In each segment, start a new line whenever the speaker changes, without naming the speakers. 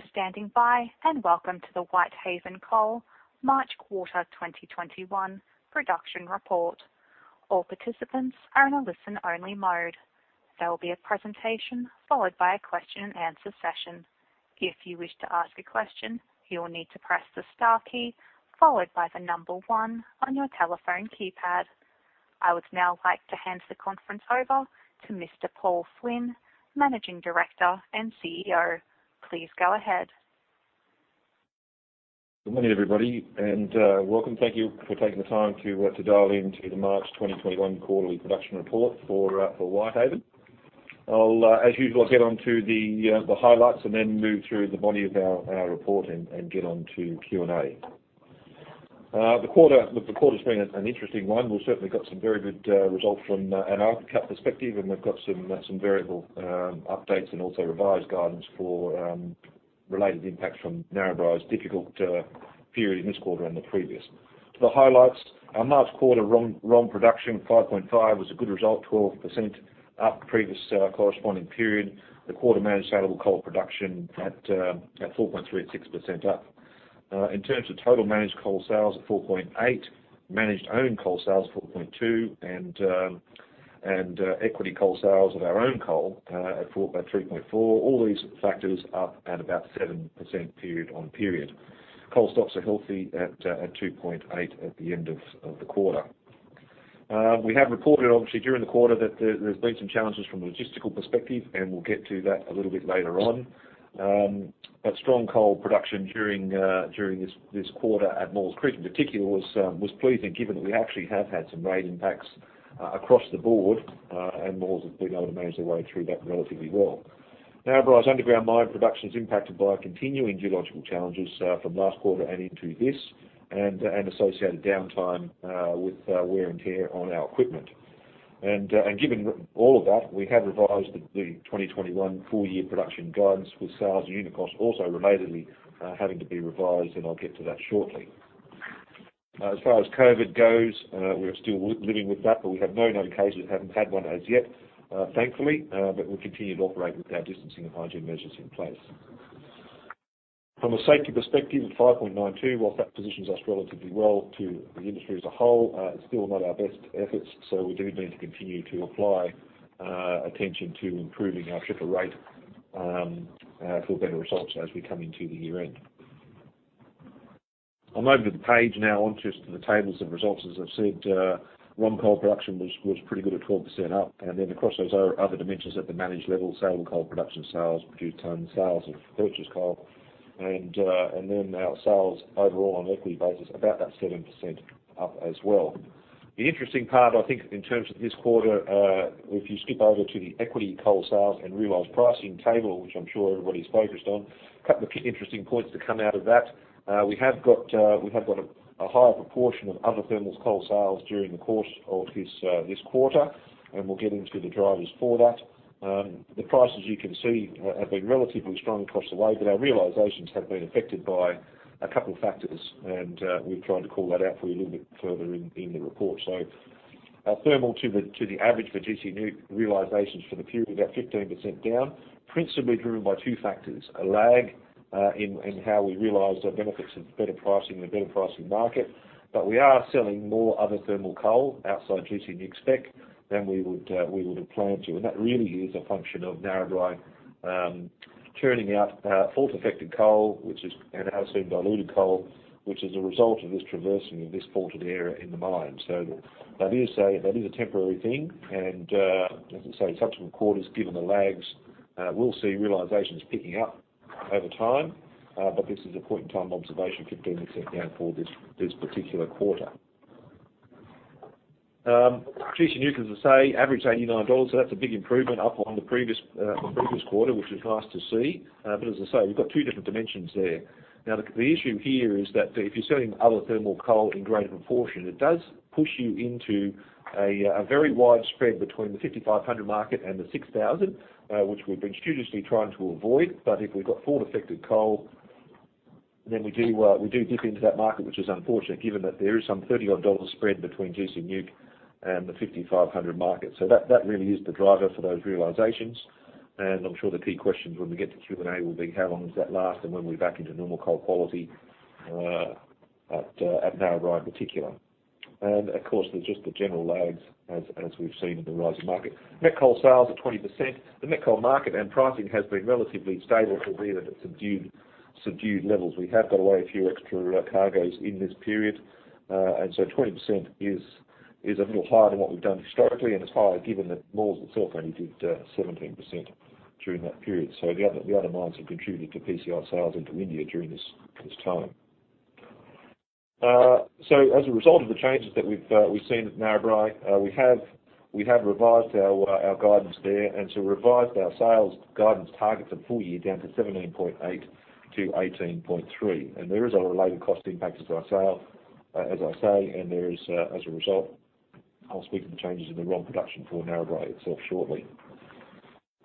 Thank you for standing by, and welcome to the Whitehaven Coal March Quarter 2021 production report. All participants are in a listen-only mode. There will be a presentation followed by a question-and-answer session. If you wish to ask a question, you will need to press the star key followed by the number one on your telephone keypad. I would now like to hand the conference over to Mr. Paul Flynn, Managing Director and CEO. Please go ahead.
Good morning, everybody, and welcome. Thank you for taking the time to dial into the March 2021 quarterly production report for Whitehaven. As usual, I'll get on to the highlights and then move through the body of our report and get on to Q&A. The quarter has been an interesting one. We've certainly got some very good results from an open-cut perspective, and we've got some variable updates and also revised guidance for related impacts from Narrabri's difficult period in this quarter and the previous. To the highlights, our March quarter ROM production, 5.5, was a good result, 12% up from the previous corresponding period. The quarter managed saleable coal production at 4.3, 6% up. In terms of total managed coal sales at 4.8, managed owned coal sales at 4.2, and equity coal sales of our own coal at 3.4. All these factors up at about 7% period on period. Coal stocks are healthy at 2.8 million tonnes at the end of the quarter. We have reported, obviously, during the quarter that there's been some challenges from a logistical perspective, and we'll get to that a little bit later on, but strong coal production during this quarter at Maules Creek, in particular, was pleasing given that we actually have had some rate impacts across the board, and Maules has been able to manage their way through that relatively well. Narrabri underground mine production is impacted by continuing geological challenges from last quarter and into this, and associated downtime with wear and tear on our equipment, and given all of that, we have revised the 2021 full-year production guidance, with sales and unit costs also relatedly having to be revised, and I'll get to that shortly. As far as COVID goes, we are still living with that, but we have no known cases. We haven't had one as yet, thankfully. But we've continued to operate with our distancing and hygiene measures in place. From a safety perspective, 5.92, while that positions us relatively well to the industry as a whole, it's still not our best efforts, so we do need to continue to apply attention to improving our tripper rate for better results as we come into the year-end. I'm over to the page now, onto the tables of results. As I've said, ROM coal production was pretty good at 12% up, and then across those other dimensions at the managed level, saleable coal production, sales per ton, sales of purchased coal, and then our sales overall on an equity basis about that 7% up as well. The interesting part, I think, in terms of this quarter, if you skip over to the equity coal sales and realized pricing table, which I'm sure everybody's focused on. A couple of interesting points to come out of that. We have got a higher proportion of other thermal coal sales during the course of this quarter, and we'll get into the drivers for that. The prices, you can see, have been relatively strong across the way, but our realizations have been affected by a couple of factors, and we've tried to call that out for you a little bit further in the report. So, thermal to the average for gC NEWC realizations for the period, about 15% down, principally driven by two factors: a lag in how we realized our benefits of better pricing in a better pricing market, but we are selling more other thermal coal outside gC NEWC spec than we would have planned to. And that really is a function of Narrabri turning out fault-affected coal, which is, and as I've seen, diluted coal, which is a result of this traversing of this faulted area in the mine. So that is a temporary thing, and as I say, subsequent quarters, given the lags, we'll see realizations picking up over time, but this is a point-in-time observation, 15% down for this particular quarter. gC NEWC, as I say, averaged $89, so that's a big improvement up on the previous quarter, which is nice to see. But as I say, we've got two different dimensions there. Now, the issue here is that if you're selling other thermal coal in greater proportion, it does push you into a very wide spread between the 5,500 market and the 6,000, which we've been studiously trying to avoid. But if we've got fault-affected coal, then we do dip into that market, which is unfortunate given that there is some $30 spread between gC NEWC and the 5,500 market. So that really is the driver for those realizations, and I'm sure the key questions when we get to Q&A will be, "How long does that last, and when are we back into normal coal quality at Narrabri in particular?" And of course, there's just the general lags as we've seen in the rising market. Met coal sales at 20%. The met coal market and pricing has been relatively stable to be at subdued levels. We have got away a few extra cargoes in this period, and so 20% is a little higher than what we've done historically and is higher given that Maules Creek itself only did 17% during that period. So the other mines have contributed to PCI sales into India during this time. So as a result of the changes that we've seen at Narrabri, we have revised our guidance there, and so revised our sales guidance targets of full year down to 17.8-18.3. And there is a related cost impact to our sale, as I say, and there is, as a result, I'll speak to the changes in the ROM production for Narrabri itself shortly.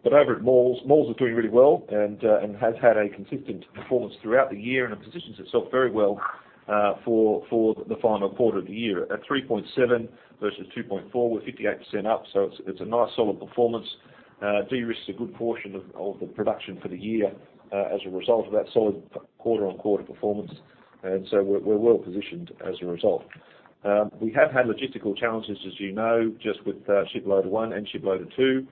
But over at Maules, Maules is doing really well and has had a consistent performance throughout the year and positions itself very well for the final quarter of the year. At 3.7 versus 2.4, we're 58% up, so it's a nice solid performance. De-risked a good portion of the production for the year as a result of that solid quarter-on-quarter performance, and so we're well positioned as a result. We have had logistical challenges, as you know, just with shiploader one and shiploader two,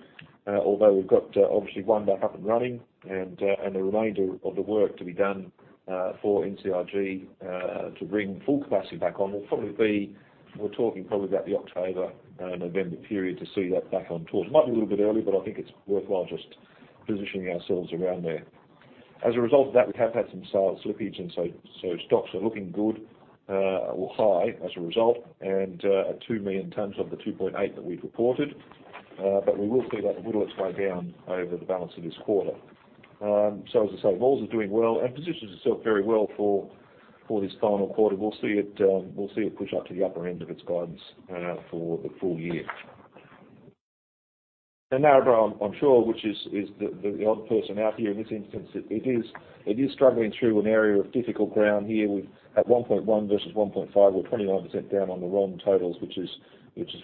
although we've got obviously one back up and running, and the remainder of the work to be done for NCIG to bring full capacity back on will probably be, we're talking probably about the October-November period to see that back on tools. It might be a little bit early, but I think it's worthwhile just positioning ourselves around there. As a result of that, we have had some sales slippage, and so stocks are looking good or high as a result, and at 2 million tonnes of the 2.8 that we've reported, but we will see that the ROM looks way down over the balance of this quarter. So as I say, Maules is doing well and positions itself very well for this final quarter. We'll see it push up to the upper end of its guidance for the full year. And Narrabri, I'm sure, which is the odd person out here in this instance, it is struggling through an area of difficult ground here. At 1.1 versus 1.5, we're 29% down on the ROM totals, which is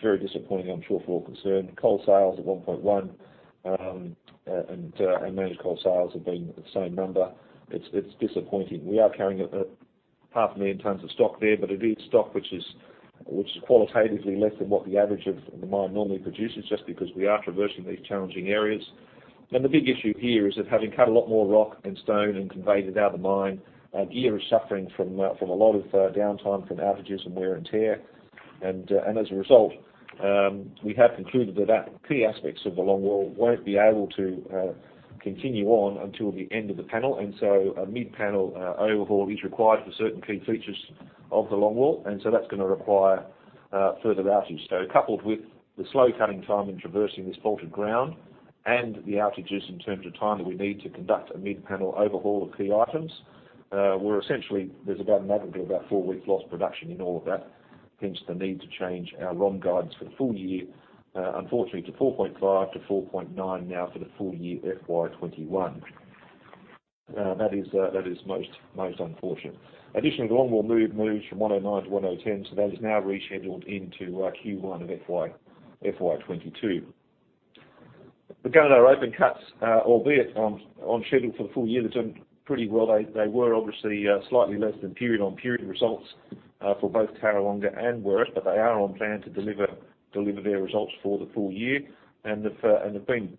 very disappointing, I'm sure, for all concerned. Coal sales at 1.1 and managed coal sales have been the same number. It's disappointing. We are carrying 500,000 tonnes of stock there, but it is stock which is qualitatively less than what the average of the mine normally produces just because we are traversing these challenging areas, and the big issue here is that having cut a lot more rock and stone and conveyed it out of the mine, gear is suffering from a lot of downtime from outages and wear and tear, and as a result, we have concluded that key aspects of the longwall won't be able to continue on until the end of the panel, and so a mid-panel overhaul is required for certain key features of the longwall, and so that's going to require further outage. Coupled with the slow cutting time in traversing this faulted ground and the outages in terms of time that we need to conduct a mid-panel overhaul of key items, we're essentially. There's about an aggregate of about four weeks lost production in all of that, hence the need to change our ROM guidance for the full year, unfortunately, to 4.5- 4.9 now for the full year FY21. That is most unfortunate. Additionally, the longwall moves from 109 to 110, so that is now rescheduled into Q1 of FY22. We've done our open cuts, albeit on schedule for the full year. They've done pretty well. They were obviously slightly less than period-on-period results for both Tarrawonga and Werris, but they are on plan to deliver their results for the full year and have been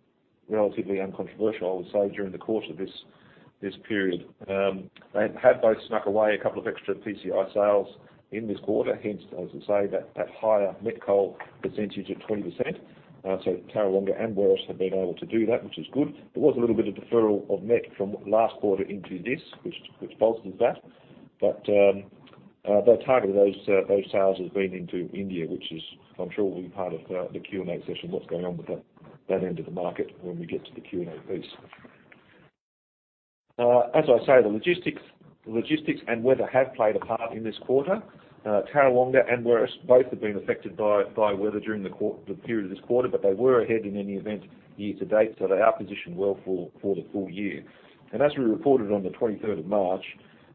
relatively uncontroversial, I would say, during the course of this period. They have both snuck away a couple of extra PCI sales in this quarter, hence, as I say, that higher met coal percentage of 20%, so Tarrawonga and Werris have been able to do that, which is good. There was a little bit of deferral of met from last quarter into this, which positives that, but their target of those sales has been into India, which is, I'm sure, will be part of the Q&A session, what's going on with that end of the market when we get to the Q&A piece. As I say, the logistics and weather have played a part in this quarter. Tarrawonga and Werris both have been affected by weather during the period of this quarter, but they were ahead in any event year to date, so they are positioned well for the full year. And as we reported on the 23rd of March,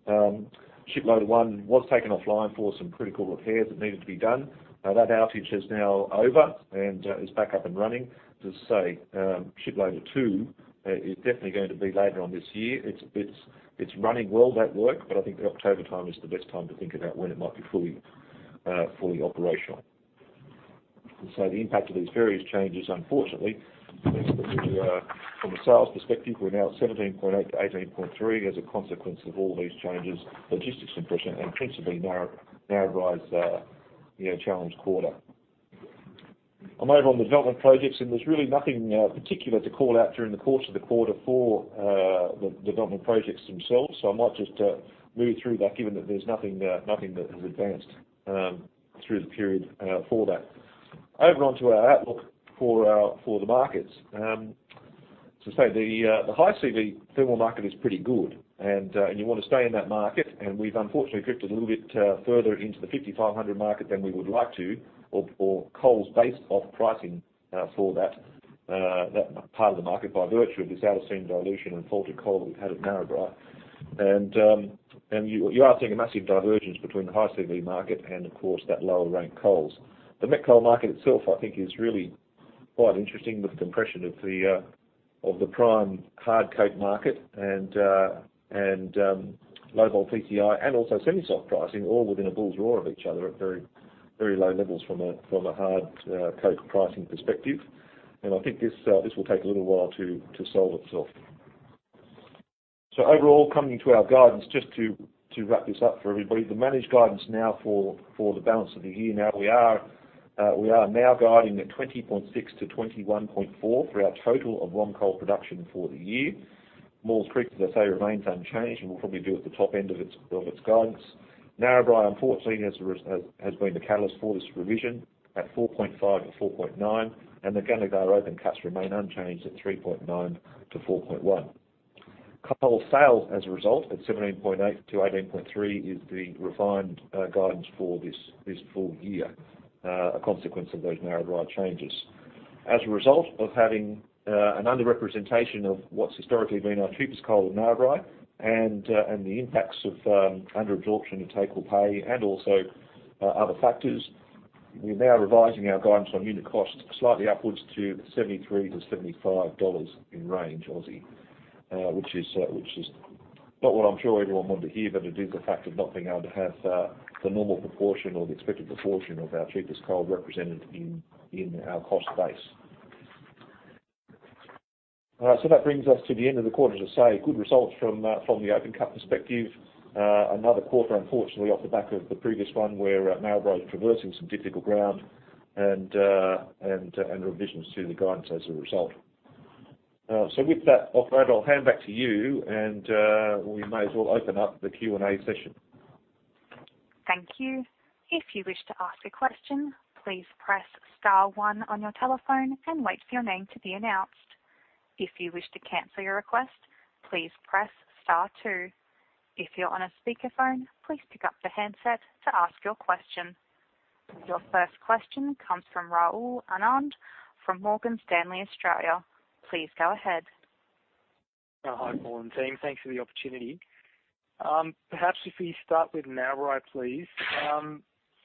shiploader one was taken offline for some critical repairs that needed to be done. That outage is now over and is back up and running. As I say, shiploader two is definitely going to be later on this year. It's running well that work, but I think the October time is the best time to think about when it might be fully operational. And so the impact of these various changes, unfortunately, from a sales perspective, we're now at 17.8-18.3 as a consequence of all these changes, logistics compression, and principally Narrabri's challenging quarter. I'm over on the development projects, and there's really nothing particular to call out during the course of the quarter for the development projects themselves, so I might just move through that given that there's nothing that has advanced through the period for that. Over on to our outlook for the markets. As I say, the high CV thermal market is pretty good, and you want to stay in that market, and we've unfortunately drifted a little bit further into the 5,500 market than we would like to, or coals based off pricing for that part of the market by virtue of this out-of-seam dilution and faulted coal that we've had at Narrabri, and you are seeing a massive divergence between the high CV market and, of course, that lower rank coals. The met coal market itself, I think, is really quite interesting with the compression of the prime hard coke market and low-vol PCI and also semi-soft pricing, all within a bull's roar of each other at very low levels from a hard coke pricing perspective, and I think this will take a little while to solve itself. So overall, coming to our guidance, just to wrap this up for everybody, the managed guidance now for the balance of the year, now we are guiding at 20.6-21.4 for our total ROM coal production for the year. Maules Creek, as I say, remains unchanged and will probably do at the top end of its guidance. Narrabri, unfortunately, has been the catalyst for this revision at 4.5-4.9, and the Gunnedah open cuts remain unchanged at 3.9-4.1. Coal sales as a result at 17.8-18.3 is the refined guidance for this full year, a consequence of those Narrabri changes. As a result of having an underrepresentation of what's historically been our cheapest coal in Narrabri and the impacts of underabsorption and take-or-pay and also other factors, we're now revising our guidance on unit cost slightly upwards to 73-75 dollars range, which is not what I'm sure everyone wanted to hear, but it is the fact of not being able to have the normal proportion or the expected proportion of our cheapest coal represented in our cost base. That brings us to the end of the quarter, as I say, good results from the open cut perspective. Another quarter, unfortunately, off the back of the previous one where Narrabri is traversing some difficult ground and revisions to the guidance as a result. With that, I'll hand back to you, andwe may as well open up the Q&A session.
Thank you. If you wish to ask a question, please press star one on your telephone and wait for your name to be announced. If you wish to cancel your request, please press star two. If you're on a speakerphone, please pick up the handset to ask your question. Your first question comes from Rahul Anand from Morgan Stanley, Australia. Please go ahead.
Hi, Paul and team. Thanks for the opportunity. Perhaps if we start with Narrabri, please.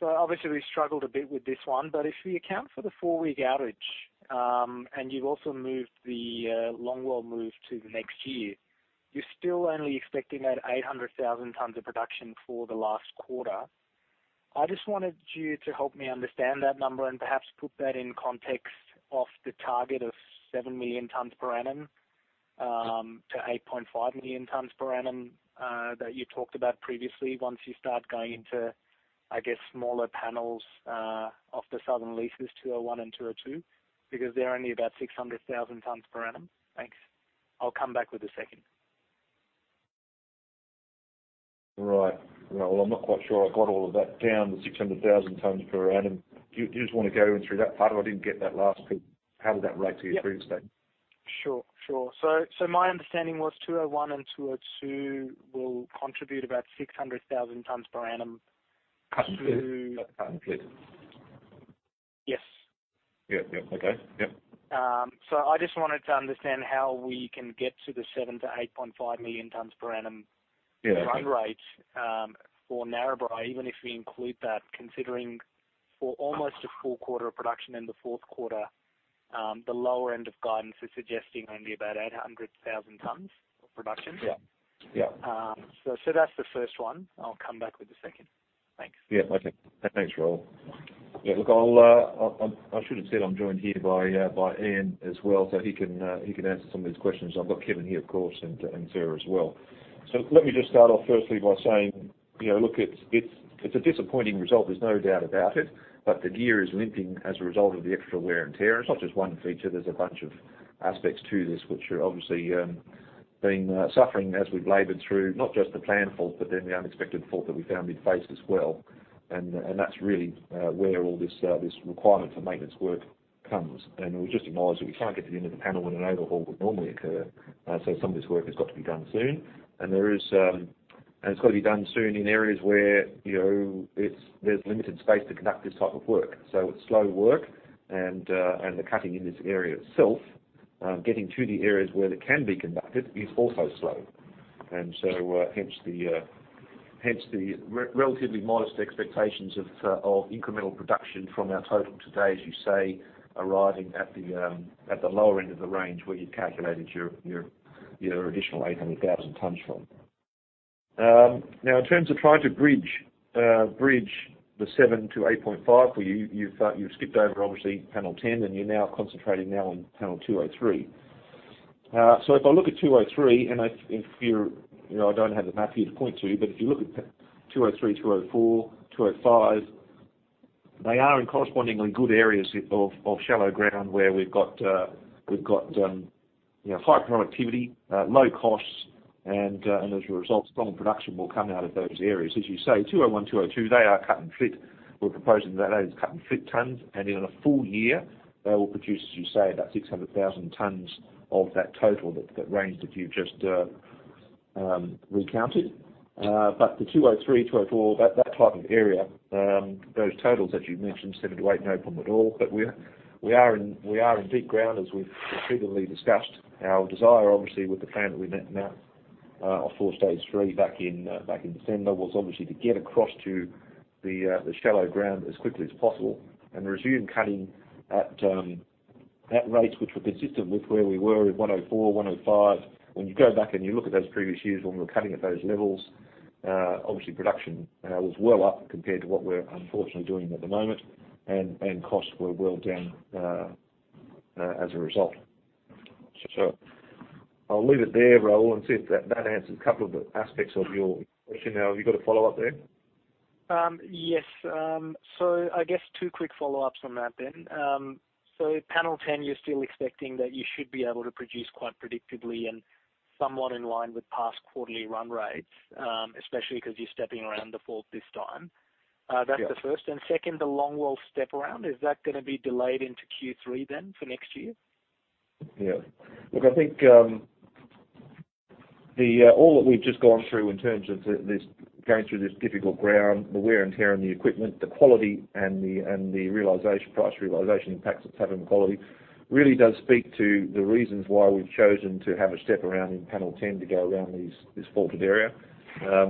So obviously, we've struggled a bit with this one, but if we account for the four-week outage and you've also moved the longwall move to next year, you're still only expecting that 800,000 tonnes of production for the last quarter. I just wanted you to help me understand that number and perhaps put that in context of the target of 7 million tonnes per annum-8.5 million tonnes per annum that you talked about previously once you start going into, I guess, smaller panels off the southern leases, 201 and 202, because they're only about 600,000 tonnes per annum. Thanks. I'll come back with a second.
Right. Well, I'm not quite sure I got all of that down, the 600,000 tonnes per annum. Do you just want to go through that part? I didn't get that last bit. How did that relate to your previous statement?
Sure. So my understanding was 201 and 202 will contribute about 600,000 tonnes per annum to.
Cut and flit?
Cut and flit. Yes.
Yeah. Yeah. Okay. Yeah.
So I just wanted to understand how we can get to the seven to 8.5 million tonnes per annum run rate for Narrabri, even if we include that, considering for almost a full quarter of production in the fourth quarter, the lower end of guidance is suggesting only about 800,000 tonnes of production.
Yeah. Yeah.
So that's the first one. I'll come back with a second. Thanks.
Yeah. Okay. Thanks, Rahul. Yeah. Look, I should have said I'm joined here by Ian as well so he can answer some of these questions. I've got Kevin here, of course, and Sarah as well. So let me just start off firstly by saying look, it's a disappointing result. There's no doubt about it, but the gear is limping as a result of the extra wear and tear. It's not just one feature. There's a bunch of aspects to this which are obviously been suffering as we've labored through not just the planned fault, but then the unexpected fault that we found mid-panel as well. And that's really where all this requirement for maintenance work comes. And we just acknowledge that we can't get to the end of the panel when an overhaul would normally occur. So some of this work has got to be done soon. And it's got to be done soon in areas where there's limited space to conduct this type of work. So it's slow work, and the cutting in this area itself, getting to the areas where it can be conducted, is also slow. And so hence the relatively modest expectations of incremental production from our total today, as you say, arriving at the lower end of the range where you've calculated your additional 800,000 tonnes from. Now, in terms of trying to bridge the 7-8.5, you've skipped over, obviously, panel 10, and you're now concentrating on panel 203. So if I look at 203, and if you're, I don't have the map here to point to, but if you look at 203, 204, 205, they are in correspondingly good areas of shallow ground where we've got high productivity, low costs, and as a result, strong production will come out of those areas. As you say, 201, 202, they are cut and flit. We're proposing that they're cut and flit tonnes, and in a full year, they will produce, as you say, about 600,000 tonnes of that total that range that you've just recounted. But the 203, 204, that type of area, those totals that you've mentioned, 7 to 8, no problem at all. But we are in deep ground, as we've frequently discussed. Our desire, obviously, with the plan that we met now of for Stage 3 back in December was obviously to get across to the shallow ground as quickly as possible and resume cutting at rates which were consistent with where we were in 104, 105. When you go back and you look at those previous years when we were cutting at those levels, obviously, production was well up compared to what we're unfortunately doing at the moment, and costs were well down as a result. So I'll leave it there, Rahul, and see if that answers a couple of aspects of your question. Have you got a follow-up there?
Yes, so I guess two quick follow-ups on that then. So Panel 10, you're still expecting that you should be able to produce quite predictably and somewhat in line with past quarterly run rates, especially because you're stepping around the fault this time. That's the first, and second, the longwall step around, is that going to be delayed into Q3 then for next year?
Yeah. Look, I think all that we've just gone through in terms of going through this difficult ground, the wear and tear on the equipment, the quality, and the price realization impacts that's having the quality really does speak to the reasons why we've chosen to have a step around in panel 10 to go around this faulted area.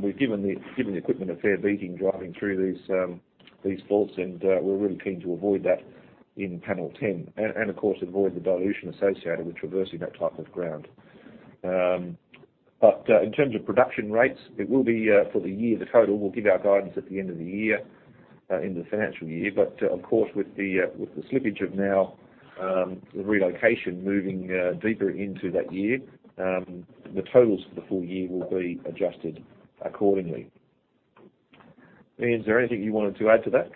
We've given the equipment a fair beating driving through these faults, and we're really keen to avoid that in panel 10 and, of course, avoid the dilution associated with traversing that type of ground. But in terms of production rates, it will be for the year. The total will give our guidance at the end of the year, end of the financial year. But, of course, with the slippage of now, the relocation moving deeper into that year, the totals for the full year will be adjusted accordingly. Ian, is there anything you wanted to add to that?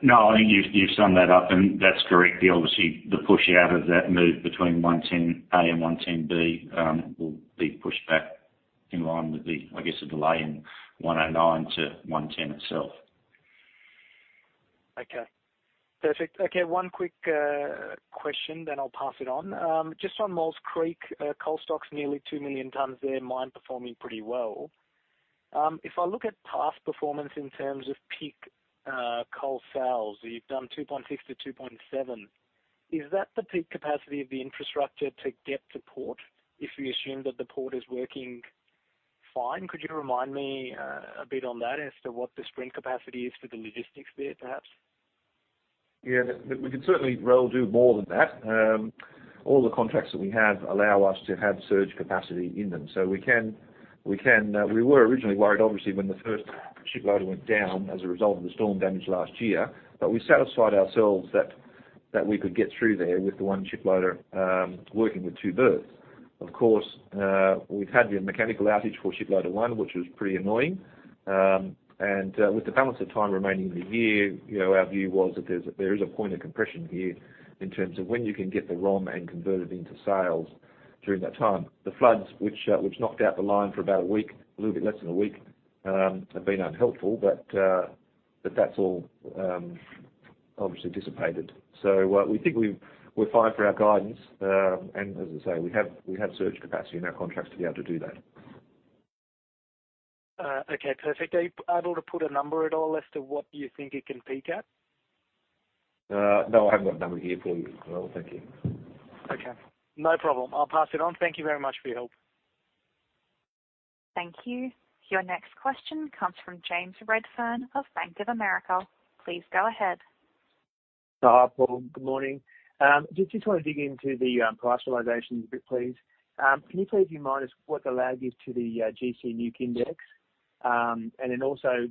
No. I think you've summed that up, and that's correct. Obviously, the push out of that move between 110A and 110B will be pushed back in line with the, I guess, the delay in 109 to 110 itself.
Okay. Perfect. Okay. One quick question, then I'll pass it on. Just on Maules Creek, coal stocks nearly 2 million tonnes there, mine performing pretty well. If I look at past performance in terms of peak coal sales, you've done 2.6 to 2.7. Is that the peak capacity of the infrastructure to get to port if we assume that the port is working fine? Could you remind me a bit on that as to what the sprint capacity is for the logistics there, perhaps?
Yeah. We could certainly, Rahul, do more than that. All the contracts that we have allow us to have surge capacity in them. So we were originally worried, obviously, when the first shiploader went down as a result of the storm damage last year, but we satisfied ourselves that we could get through there with the one shiploader working with two berths. Of course, we've had the mechanical outage for shiploader one, which was pretty annoying. And with the balance of time remaining in the year, our view was that there is a point of compression here in terms of when you can get the ROM and convert it into sales during that time. The floods, which knocked out the line for about a week, a little bit less than a week, have been unhelpful, but that's all obviously dissipated. So we think we're fine for our guidance. As I say, we have surge capacity in our contracts to be able to do that.
Okay. Perfect. Able to put a number at all as to what you think it can peak at?
No. I haven't got a number here for you, Rahul. Thank you.
Okay. No problem. I'll pass it on. Thank you very much for your help.
Thank you. Your next question comes from James Redfern of Bank of America. Please go ahead.
Hi, Paul. Good morning. Just want to dig into the price realizations a bit, please. Can you please remind us what the lag is to the gC NEWC index? And then also,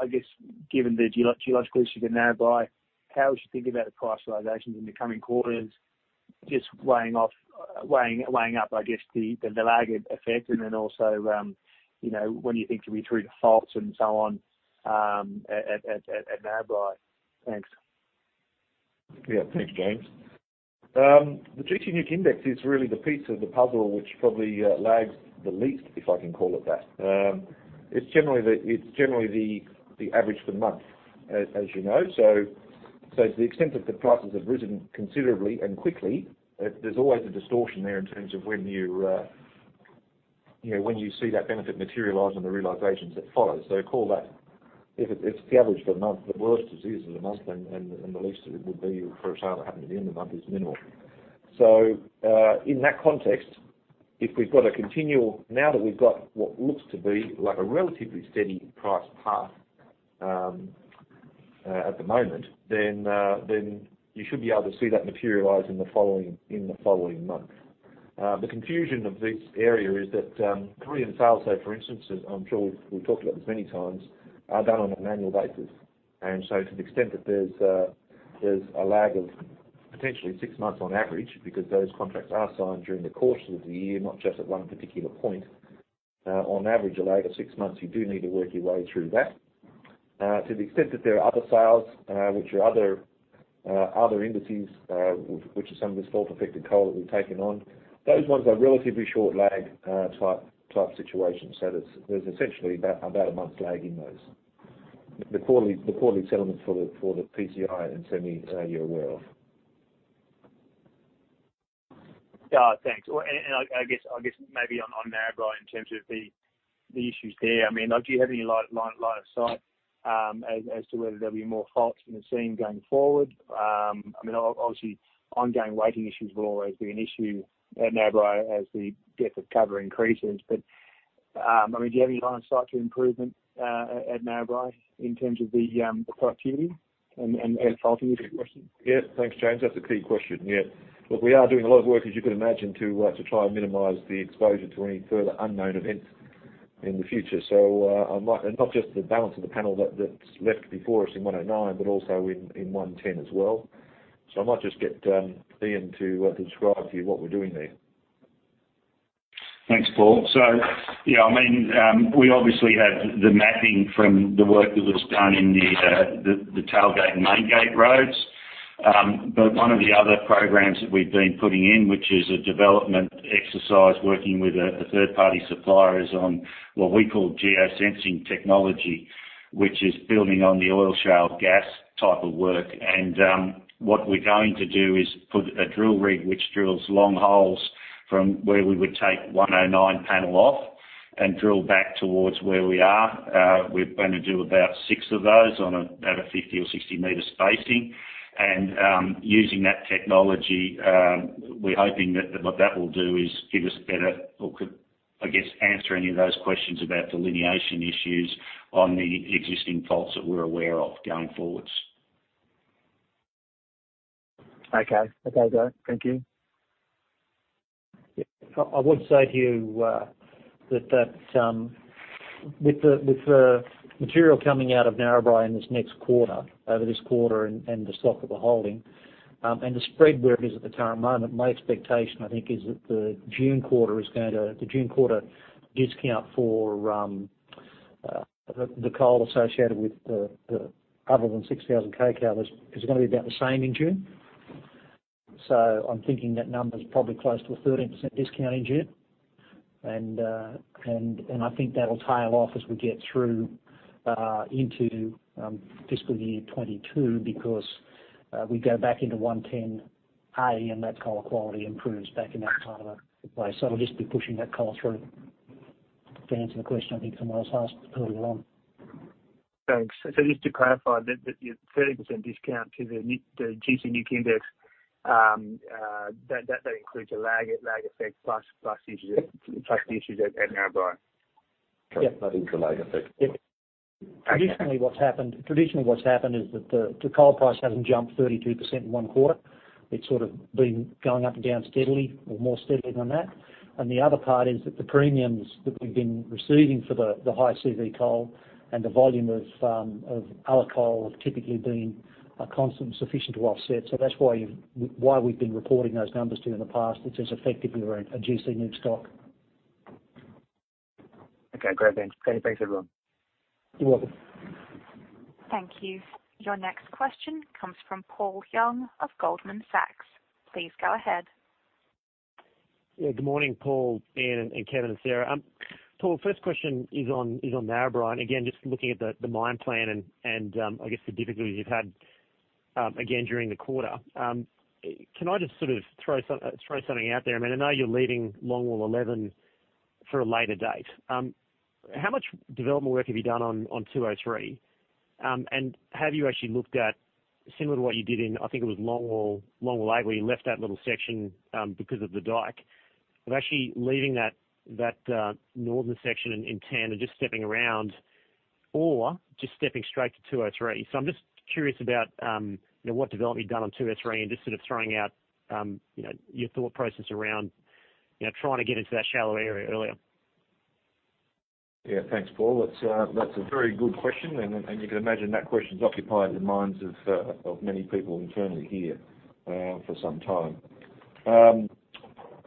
I guess, given the geological issues at Narrabri, how would you think about the price realizations in the coming quarters, just weighing up, I guess, the lag effect? And then also when you think to be through the faults and so on at Narrabri. Thanks.
Yeah. Thanks, James. The gC NEWC index is really the piece of the puzzle which probably lags the least, if I can call it that. It's generally the average for the month, as you know. So to the extent that the prices have risen considerably and quickly, there's always a distortion there in terms of when you see that benefit materialize on the realizations that follow. So call that, if it's the average for the month, the worst is the month, and the least it would be for a sale that happened at the end of the month is minimal. So in that context, if we've got a continual now that we've got what looks to be a relatively steady price path at the moment, then you should be able to see that materialize in the following month. The confusion of this area is that Korean sales, for instance, I'm sure we've talked about this many times, are done on a manual basis. And so to the extent that there's a lag of potentially six months on average, because those contracts are signed during the course of the year, not just at one particular point, on average, a lag of six months, you do need to work your way through that. To the extent that there are other sales, which are other indices, which are some of this fault-affected coal that we've taken on, those ones are relatively short-lag type situations. So there's essentially about a month's lag in those. The quarterly settlements for the PCI and semi, you're aware of.
Thanks. And I guess maybe on Narrabri in terms of the issues there, I mean, do you have any line of sight as to whether there'll be more faults in the seam going forward? I mean, obviously, ongoing wetting issues will always be an issue at Narrabri as the depth of cover increases. But I mean, do you have any line of sight to improvement at Narrabri in terms of the productivity and a faulting issue?
Yeah. Thanks, James. That's a key question. Yeah. Look, we are doing a lot of work, as you could imagine, to try and minimize the exposure to any further unknown events in the future. So not just the balance of the panel that's left before us in 109, but also in 110 as well. So I might just get Ian to describe to you what we're doing there.
Thanks, Paul. So yeah, I mean, we obviously have the mapping from the work that was done in the tailgate and maingate roads. But one of the other programs that we've been putting in, which is a development exercise working with third-party suppliers on what we call geo-sensing technology, which is building on the oil shale gas type of work. And what we're going to do is put a drill rig which drills long holes from where we would take 109 panel off and drill back towards where we are. We're going to do about six of those at a 50 or 60 meter spacing. And using that technology, we're hoping that what that will do is give us better, I guess, answer any of those questions about delineation issues on the existing faults that we're aware of going forwards. Okay.
Okay. Great. Thank you.
I would say to you that with the material coming out of Narrabri in this next quarter, over this quarter and the stock of the holding and the spread where it is at the current moment, my expectation, I think, is that the June quarter is going to the June quarter discount for the coal associated with the other than 6,000 kcal is going to be about the same in June. So I'm thinking that number's probably close to a 13% discount in June. And I think that'll tail off as we get through into fiscal year 2022 because we go back into 110A and that coal quality improves back in that part of the place. So it'll just be pushing that coal through. To answer the question, I think someone else asked earlier on.
Thanks. So just to clarify, that 30% discount to the gC NEWC index, that includes a lag effect plus the issues at Narrabri.
Yeah. That is the lag effect.
Traditionally, what's happened is that the coal price hasn't jumped 32% in one quarter. It's sort of been going up and down steadily or more steadily than that. And the other part is that the premiums that we've been receiving for the high CV coal and the volume of other coal have typically been constant and sufficient to offset. So that's why we've been reporting those numbers to you in the past. It's as effective as a gC NEWC stock. Okay. Great.
Thanks. Thanks, everyone.
You're welcome.
Thank you. Your next question comes from Paul Young of Goldman Sachs. Please go ahead.
Yeah. Good morning, Paul, Ian, and Kevin and Sarah. Paul, first question is on Narrabri. And again, just looking at the mine plan and, I guess, the difficulties you've had again during the quarter, can I just sort of throw something out there? I mean, I know you're leaving longwall 11 for a later date. How much development work have you done on 203? And have you actually looked at similar to what you did in, I think it was longwall 8G, where you left that little section because of the dyke, of actually leaving that northern section in 10 and just stepping around or just stepping straight to 203? So I'm just curious about what development you've done on 203 and just sort of throwing out your thought process around trying to get into that shallow area earlier.
Yeah. Thanks, Paul. That's a very good question, and you can imagine that question's occupied the minds of many people internally here for some time.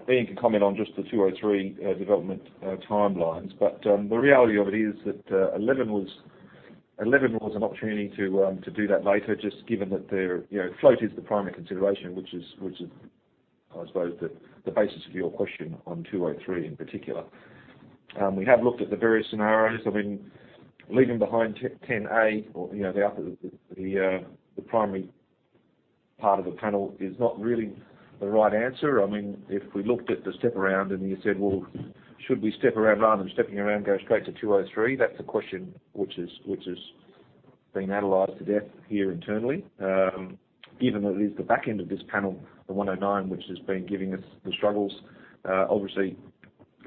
Ian can comment on just the 203 development timelines. But the reality of it is that 11 was an opportunity to do that later, just given that the float is the primary consideration, which is, I suppose, the basis of your question on 203 in particular. We have looked at the various scenarios. I mean, leaving behind 10A, the primary part of the panel is not really the right answer. I mean, if we looked at the step around and you said, "Well, should we step around rather than stepping around, go straight to 203?" That's a question which has been analyzed to death here internally. Given that it is the back end of this panel, the 109, which has been giving us the struggles. Obviously,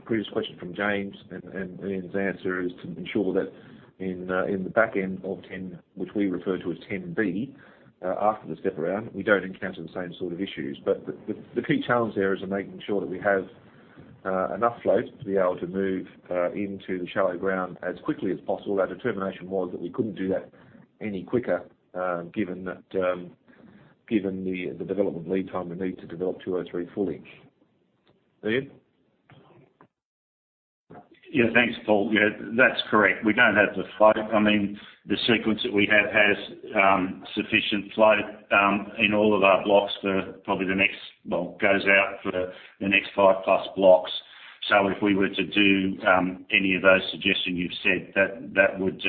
the previous question from James and Ian's answer is to ensure that in the back end of 10, which we refer to as 10B, after the step around, we don't encounter the same sort of issues. But the key challenge there is making sure that we have enough float to be able to move into the shallow ground as quickly as possible. Our determination was that we couldn't do that any quicker given the development lead time we need to develop 203 fully. Ian?
Yeah. Thanks, Paul. Yeah. That's correct. We don't have the float. I mean, the sequence that we have has sufficient float in all of our blocks for probably the next well, goes out for the next five plus blocks. So if we were to do any of those suggestions you've said, that would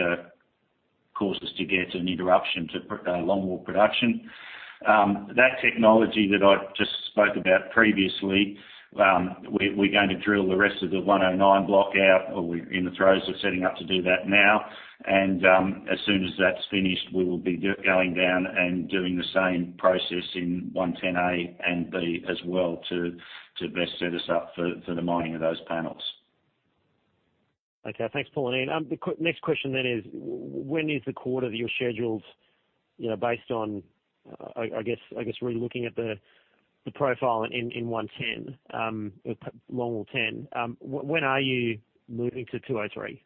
cause us to get an interruption to longwall production. That technology that I just spoke about previously, we're going to drill the rest of the 109 block out. We're in the throes of setting up to do that now. And as soon as that's finished, we will be going down and doing the same process in 110A and B as well to best set us up for the mining of those panels.
Okay. Thanks, Paul and Ian. The next question then is, when is the quarter that you're scheduled based on, I guess, really looking at the profile in 110, longwall 10, when are you moving to 203?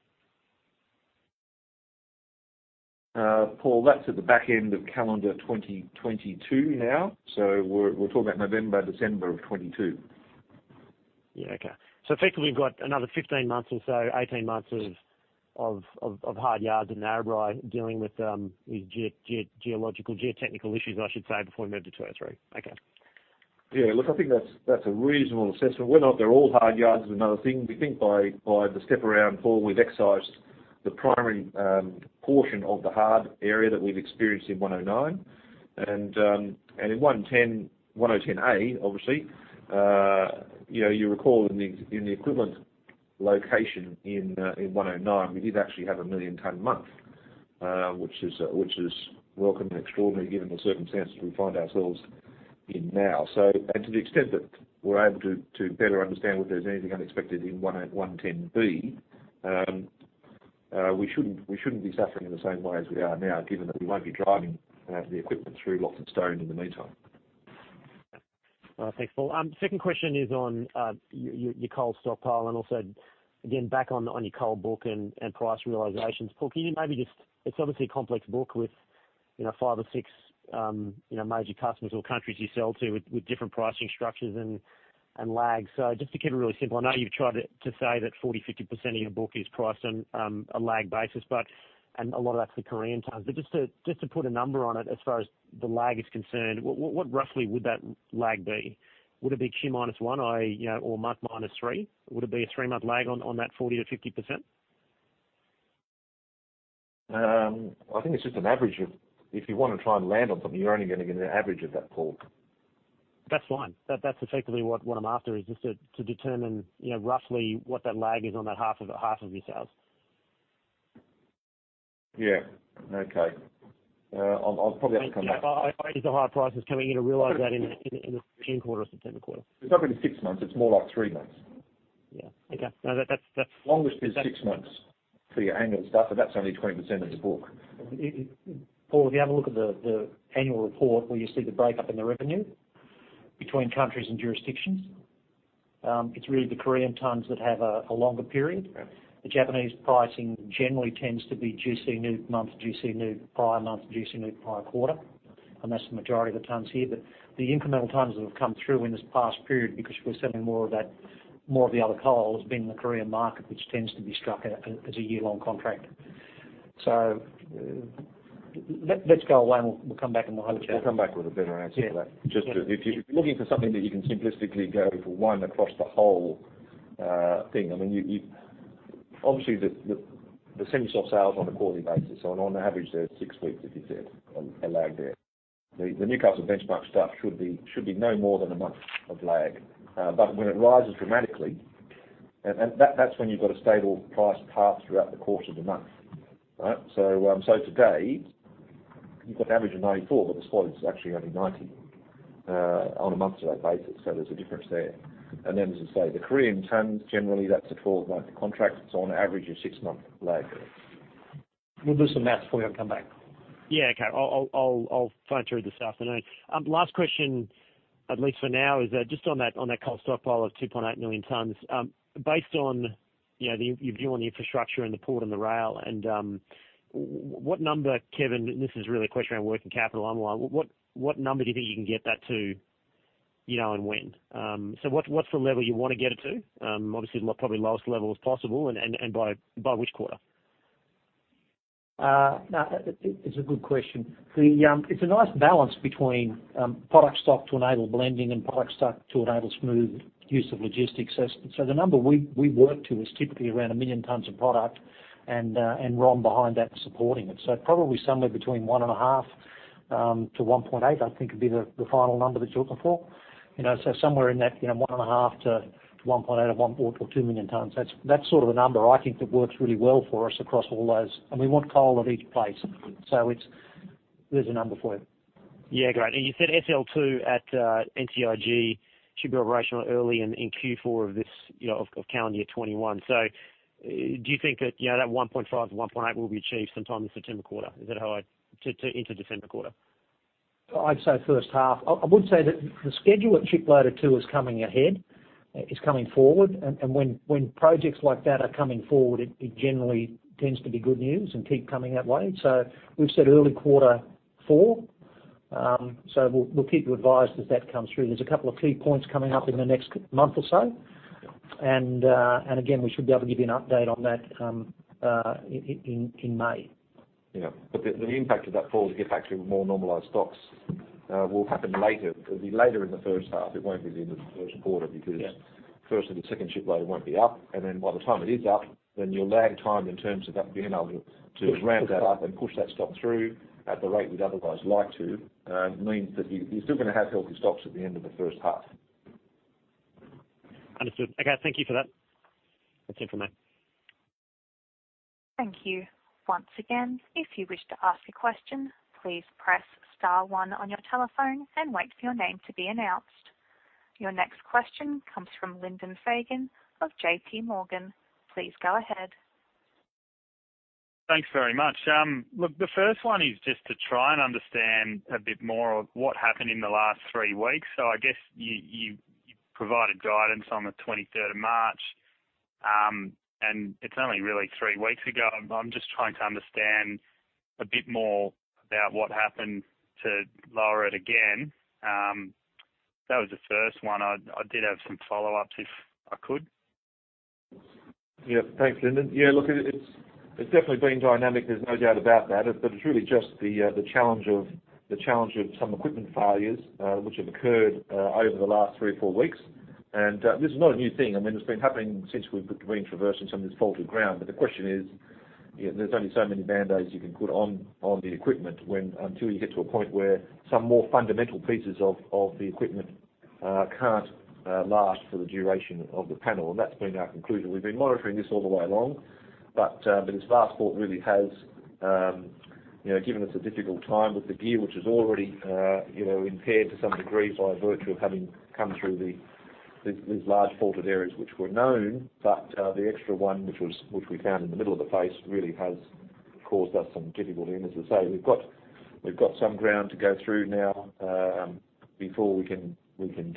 Paul, that's at the back end of calendar 2022 now. So we're talking about November, December of 2022.
Yeah. Okay. So effectively, we've got another 15 months or so, 18 months of hard yards in Narrabri dealing with geological, geotechnical issues, I should say, before we move to 2023. Okay.
Yeah. Look, I think that's a reasonable assessment. They're all hard yards is another thing. We think by the step around, Paul, we've excised the primary portion of the hard area that we've experienced in 109. And in 110A, obviously, you recall in the equivalent location in 109, we did actually have a million-tonne month, which is welcome and extraordinary given the circumstances we find ourselves in now. So to the extent that we're able to better understand whether there's anything unexpected in 110B, we shouldn't be suffering in the same way as we are now, given that we won't be driving the equipment through lots of stone in the meantime.
Thanks, Paul. Second question is on your coal stockpile and also, again, back on your coal book and price realizations. Paul, can you maybe just. It's obviously a complex book with five or six major customers or countries you sell to with different pricing structures and lags. So just to keep it really simple, I know you've tried to say that 40%-50% of your book is priced on a lag basis, and a lot of that's the Korean tons. But just to put a number on it as far as the lag is concerned, what roughly would that lag be? Would it be Q minus one or month minus three? Would it be a three-month lag on that 40%-50%?
I think it's just an average of if you want to try and land on something. You're only going to get an average of that, Paul.
That's fine. That's effectively what I'm after, is just to determine roughly what that lag is on that half of your sales.
Yeah. Okay. I'll probably have to come back.
I understand. Is the hard prices coming in? You'll realize that in the June quarter or September quarter?
It's not going to be six months. It's more like three months.
Yeah. Okay. That's.
Longest is six months for your annual stuff, but that's only 20% of the book.
Paul, if you have a look at the annual report where you see the breakdown in the revenue between countries and jurisdictions, it's really the Korean tonnes that have a longer period. The Japanese pricing generally tends to be gC NEWC month, gC NEWC prior month, gC NEWC prior quarter. And that's the majority of the tonnes here. But the incremental tonnes that have come through in this past period, because we're selling more of the other coal, has been the Korean market, which tends to be struck as a year-long contract. So let's go away and we'll come back and we'll hope to.
We'll come back with a better answer for that. If you're looking for something that you can simplistically go for one across the whole thing, I mean, obviously, the semi-soft sales on a quarterly basis, so on average, there's six weeks if you said a lag there. The Newcastle benchmark stuff should be no more than a month of lag. But when it rises dramatically, and that's when you've got a stable price path throughout the course of the month, right? So today, you've got an average of 94, but the spot is actually only 90 on a month-to-lag basis. So there's a difference there. And then, as I say, the Korean tonnes, generally, that's a 12-month contract. It's on average a six-month lag.
We'll do some math for you and come back.
Yeah. Okay. I'll phone through this afternoon. Last question, at least for now, is just on that coal stockpile of 2.8 million tonnes, based on your view on the infrastructure and the port and the rail, and what number, Kevin, and this is really a question around working capital online, what number do you think you can get that to and when? So what's the level you want to get it to? Obviously, probably lowest level as possible and by which quarter?
It's a good question. It's a nice balance between product stock to enable blending and product stock to enable smooth use of logistics. So the number we work to is typically around a million tonnes of product and ROM behind that supporting it. So probably somewhere between one and a half to 1.8, I think, would be the final number that you're looking for. So somewhere in that 1.5-1.8 or 2 million tonnes. That's sort of a number I think that works really well for us across all those. And we want coal at each place. So there's a number for you.
Yeah. Great. And you said SL2 at NCIG should be operational early in Q4 of calendar year 2021. So do you think that that 1.5 -1.8 will be achieved sometime in September quarter? Is that how I into December quarter?
I'd say first half. I would say that the schedule at Ship Loader 2 is coming ahead, coming forward. And when projects like that are coming forward, it generally tends to be good news and keep coming that way. So we've said early quarter four. So we'll keep you advised as that comes through. There's a couple of key points coming up in the next month or so. And again, we should be able to give you an update on that in May.
Yeah. But the impact of that fall to get back to more normalized stocks will happen later. It'll be later in the first half. It won't be at the end of the first quarter because firstly, the second ship load won't be up. And then by the time it is up, then your lag time in terms of being able to ramp that up and push that stock through at the rate we'd otherwise like to means that you're still going to have healthy stocks at the end of the first half.
Understood. Okay. Thank you for that. We'll see you from there.
Thank you. Once again, if you wish to ask a question, please press star one on your telephone and wait for your name to be announced. Your next question comes from Lyndon Fagan of J.P. Morgan. Please go ahead.
Thanks very much. Look, the first one is just to try and understand a bit more of what happened in the last three weeks. So I guess you provided guidance on the 23rd of March, and it's only really three weeks ago. I'm just trying to understand a bit more about what happened to lower it again. That was the first one. I did have some follow-ups if I could.
Yeah. Thanks, Lyndon. Yeah. Look, it's definitely been dynamic. There's no doubt about that. But it's really just the challenge of some equipment failures, which have occurred over the last three or four weeks. And this is not a new thing. I mean, it's been happening since we've been traversing some of this faulted ground. But the question is, there's only so many band-aids you can put on the equipment until you get to a point where some more fundamental pieces of the equipment can't last for the duration of the panel. And that's been our conclusion. We've been monitoring this all the way along. But this last fault really has given us a difficult time with the gear, which is already impaired to some degree by virtue of having come through these large faulted areas, which were known. But the extra one, which we found in the middle of the face, really has caused us some difficulty. And as I say, we've got some ground to go through now before we can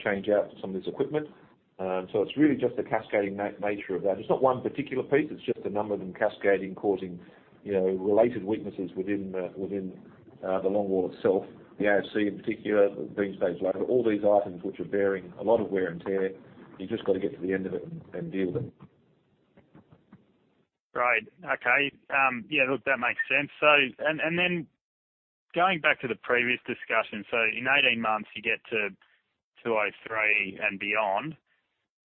change out some of this equipment. So it's really just the cascading nature of that. It's not one particular piece. It's just a number of them cascading, causing related weaknesses within the longwall itself. The AFC in particular, the beam stage loader, all these items which are bearing a lot of wear and tear. You've just got to get to the end of it and deal with it.
Right. Okay. Yeah. Look, that makes sense. And then going back to the previous discussion, so in 18 months, you get to 2023 and beyond.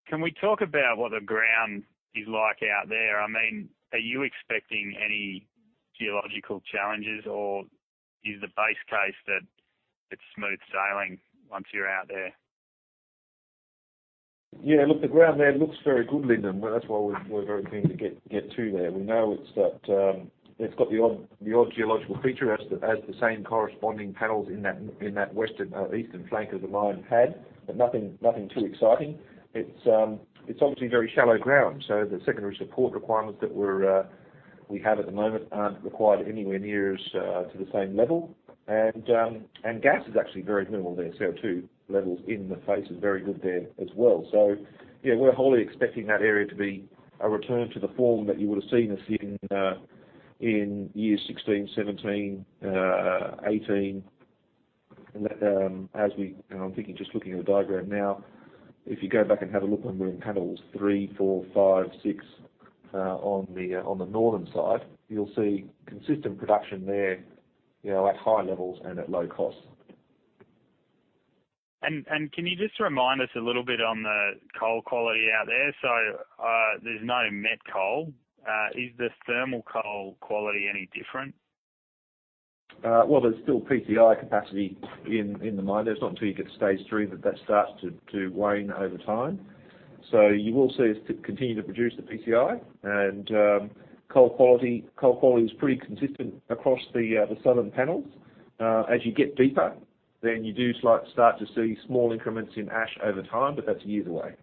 Can we talk about what the ground is like out there? I mean, are you expecting any geological challenges, or is the base case that it's smooth sailing once you're out there?
Yeah. Look, the ground there looks very good, Lyndon. That's why we're very keen to get to there. We know it's got the odd geological feature as the same corresponding panels in that eastern flank of the line had, but nothing too exciting. It's obviously very shallow ground. So the secondary support requirements that we have at the moment aren't required anywhere near to the same level. And gas is actually very minimal there. CO2 levels in the face are very good there as well. So yeah, we're wholly expecting that area to be a return to the form that you would have seen us in year 2016, 2017, 2018. As we're just looking at the diagram now, if you go back and have a look when we're in panels three, four, five, six on the northern side, you'll see consistent production there at high levels and at low cost.
Can you just remind us a little bit on the coal quality out there? There's no met coal. Is the thermal coal quality any different?
There's still PCI capacity in the mine. It's not until you get to stage three that that starts to wane over time. You will see us continue to produce the PCI. Coal quality is pretty consistent across the southern panels. As you get deeper, then you do start to see small increments in ash over time, but that's years away.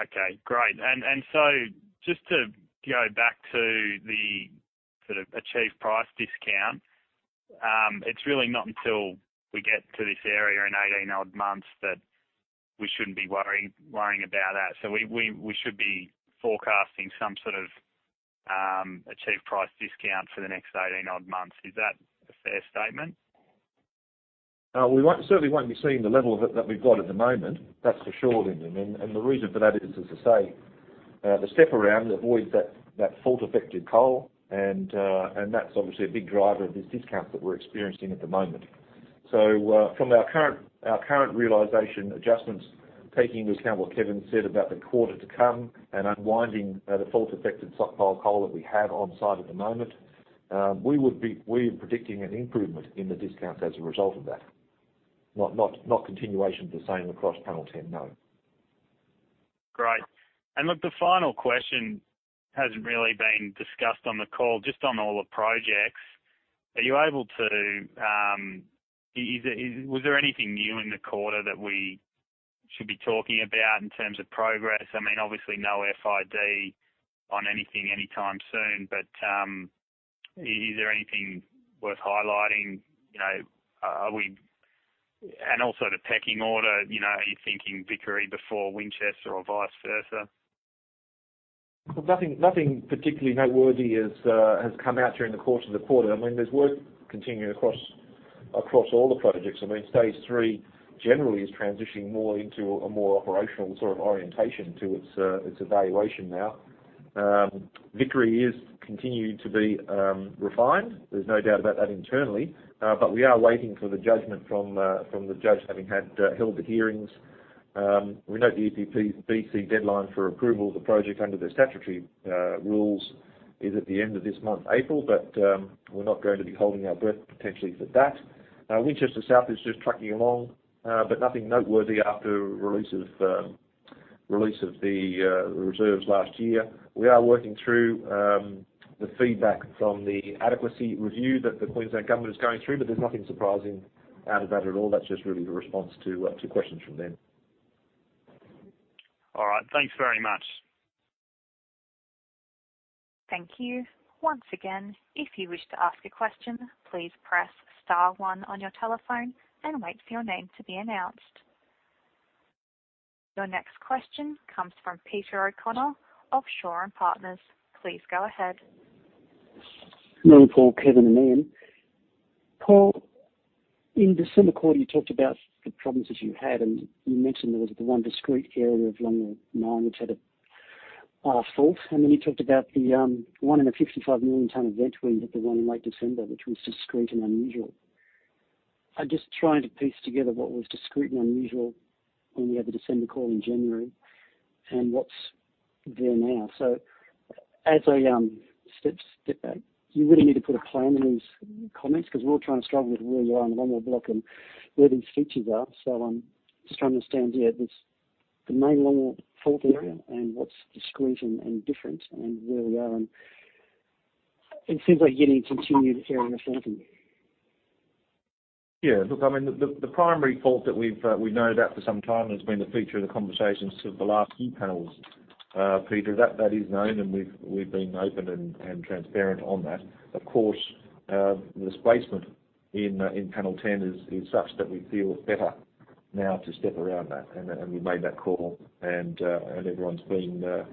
Okay. Great. And so just to go back to the sort of achieved price discount, it's really not until we get to this area in 18-odd months that we shouldn't be worrying about that. So we should be forecasting some sort of achieved price discount for the next 18-odd months. Is that a fair statement?
We certainly won't be seeing the level of it that we've got at the moment. That's for sure, Lyndon. And the reason for that is, as I say, the step around avoids that fault-affected coal. And that's obviously a big driver of this discount that we're experiencing at the moment. So from our current realization adjustments, taking into account what Kevin said about the quarter to come and unwinding the fault-affected stockpile coal that we have on site at the moment, we are predicting an improvement in the discounts as a result of that. Not continuation of the same across panel 10, no.
Great. And look, the final question hasn't really been discussed on the call. Just on all the projects, are you able to—was there anything new in the quarter that we should be talking about in terms of progress? I mean, obviously, no FID on anything anytime soon. But is there anything worth highlighting? And also the pecking order, are you thinking Vickery before Winchester or vice versa?
Nothing particularly noteworthy has come out during the course of the quarter. I mean, there's work continuing across all the projects. I mean, stage three generally is transitioning more into a more operational sort of orientation to its evaluation now. Vickery is continuing to be refined. There's no doubt about that internally. But we are waiting for the judgment from the judge having held the hearings. We know the EPBC deadline for approval of the project under the statutory rules is at the end of this month, April. But we're not going to be holding our breath potentially for that. Winchester South is just trucking along, but nothing noteworthy after release of the reserves last year. We are working through the feedback from the adequacy review that the Queensland government is going through, but there's nothing surprising out of that at all. That's just really the response to questions from them.
All right. Thanks very much.
Thank you. Once again, if you wish to ask a question, please press star one on your telephone and wait for your name to be announced. Your next question comes from Peter O'Connor of Shaw and Partners. Please go ahead.
Morning, Paul, Kevin, and Ian. Paul, in December quarter, you talked about the problems that you had, and you mentioned there was the one discrete area of longwall mine which had a fault. And then you talked about the one in a 55 million tonne event where you had the one in late December, which was discrete and unusual. I'm just trying to piece together what was discrete and unusual when we had the December call in January and what's there now. So as I step back, you really need to put a plan in these comments because we're all trying to struggle with where you are in the longwall block and where these features are. So I'm just trying to understand, yeah, the main longwall fault area and what's discrete and different and where we are. And it seems like you're getting a continued area of faulting.
Yeah. Look, I mean, the primary fault that we've known about for some time has been the feature of the conversations of the last few panels, Peter. That is known, and we've been open and transparent on that. Of course, the spacing in panel 10 is such that we feel better now to step around that. And we made that call, and everyone's been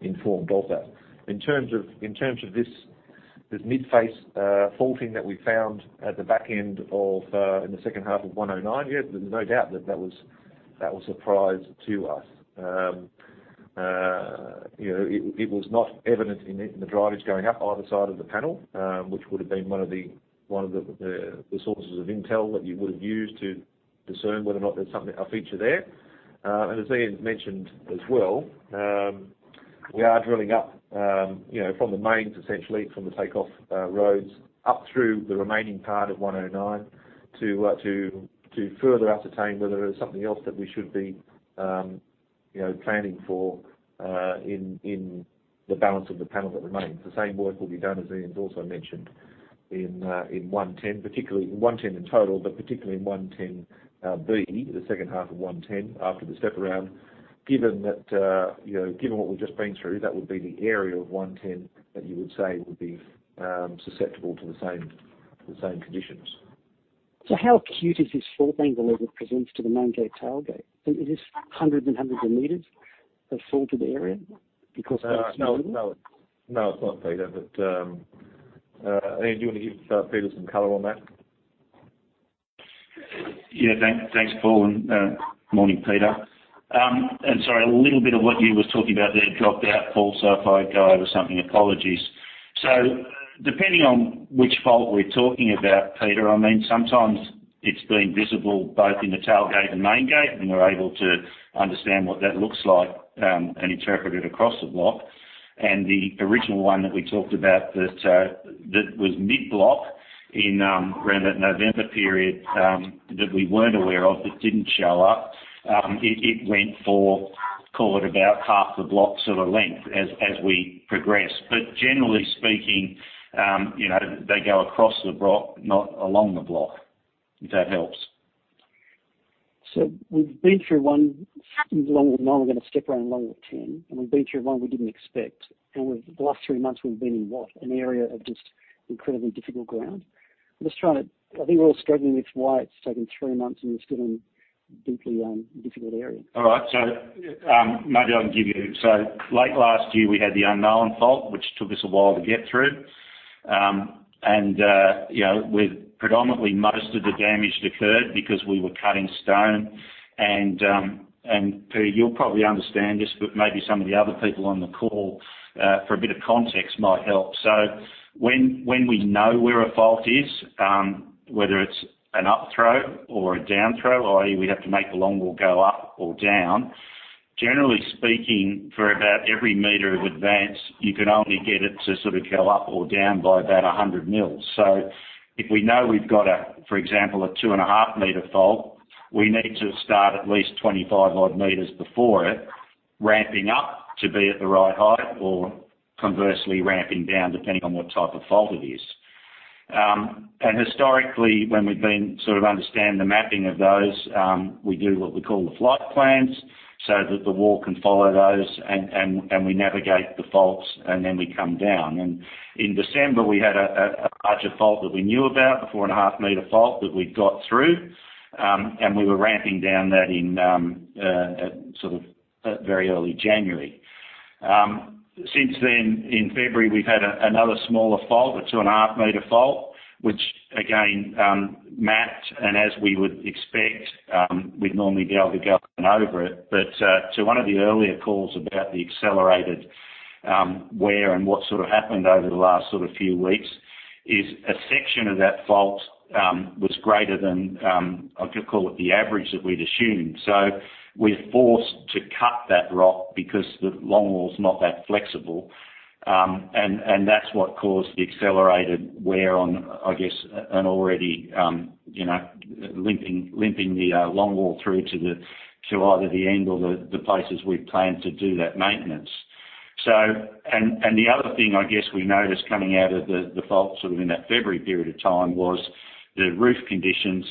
informed of that. In terms of this mid-face faulting that we found at the back end of the second half of 109, yeah, there's no doubt that that was a surprise to us. It was not evident in the drivage going up either side of the panel, which would have been one of the sources of intel that you would have used to discern whether or not there's a feature there. As Ian mentioned as well, we are drilling up from the maingate, essentially, from the tailgate roads up through the remaining part of 109 to further ascertain whether there's something else that we should be planning for in the balance of the panel that remains. The same work will be done, as Ian's also mentioned, in 110, particularly 110 in total, but particularly in 110B, the second half of 110 after the step around. Given what we've just been through, that would be the area of 110 that you would say would be susceptible to the same conditions.
So how acute is this faulting that we've presented to the maingate, tailgate? Is this hundreds and hundreds of meters of faulted area because of that zone?
No, no, it's not, Peter. But Ian, do you want to give Peter some color on that?
Yeah. Thanks, Paul. And morning, Peter. And sorry, a little bit of what you were talking about there dropped out, Paul, so if I go over something, apologies. So depending on which fault we're talking about, Peter, I mean, sometimes it's been visible both in the tailgate and maingate, and we're able to understand what that looks like and interpret it across the block. And the original one that we talked about that was mid-block around that November period that we weren't aware of, that didn't show up, it went for, call it, about half the block sort of length as we progressed. But generally speaking, they go across the block, not along the block, if that helps.
So we've been through one in longwall mine. We're going to step around longwall 10. And we've been through one we didn't expect. And the last three months, we've been in what? An area of just incredibly difficult ground? I think we're all struggling with why it's taken three months and we're still in a deeply difficult area.
All right. So maybe I'll give you, so late last year, we had the unknown fault, which took us a while to get through. And predominantly, most of the damage occurred because we were cutting stone. And Peter, you'll probably understand this, but maybe some of the other people on the call for a bit of context might help. So when we know where a fault is, whether it's an upthrow or a downthrow, i.e., we have to make the longwall go up or down, generally speaking, for about every meter of advance, you can only get it to sort of go up or down by about 100 mm. So if we know we've got, for example, a two-and-a-half-meter fault, we need to start at least 25-odd meters before it, ramping up to be at the right height or, conversely, ramping down depending on what type of fault it is. Historically, when we've been sort of understanding the mapping of those, we do what we call the flight plans so that the wall can follow those, and we navigate the faults, and then we come down. In December, we had a larger fault that we knew about, the four-and-a-half-meter fault that we'd got through, and we were ramping down that in sort of very early January. Since then, in February, we've had another smaller fault, a two-and-a-half-meter fault, which, again, mapped. As we would expect, we'd normally be able to go over it. To one of the earlier calls about the accelerated wear and what sort of happened over the last sort of few weeks, a section of that fault was greater than I'll just call it the average that we'd assumed. We're forced to cut that rock because the longwall's not that flexible. And that's what caused the accelerated wear on, I guess, an already limping the longwall through to either the end or the places we've planned to do that maintenance. And the other thing I guess we noticed coming out of the fault sort of in that February period of time was the roof conditions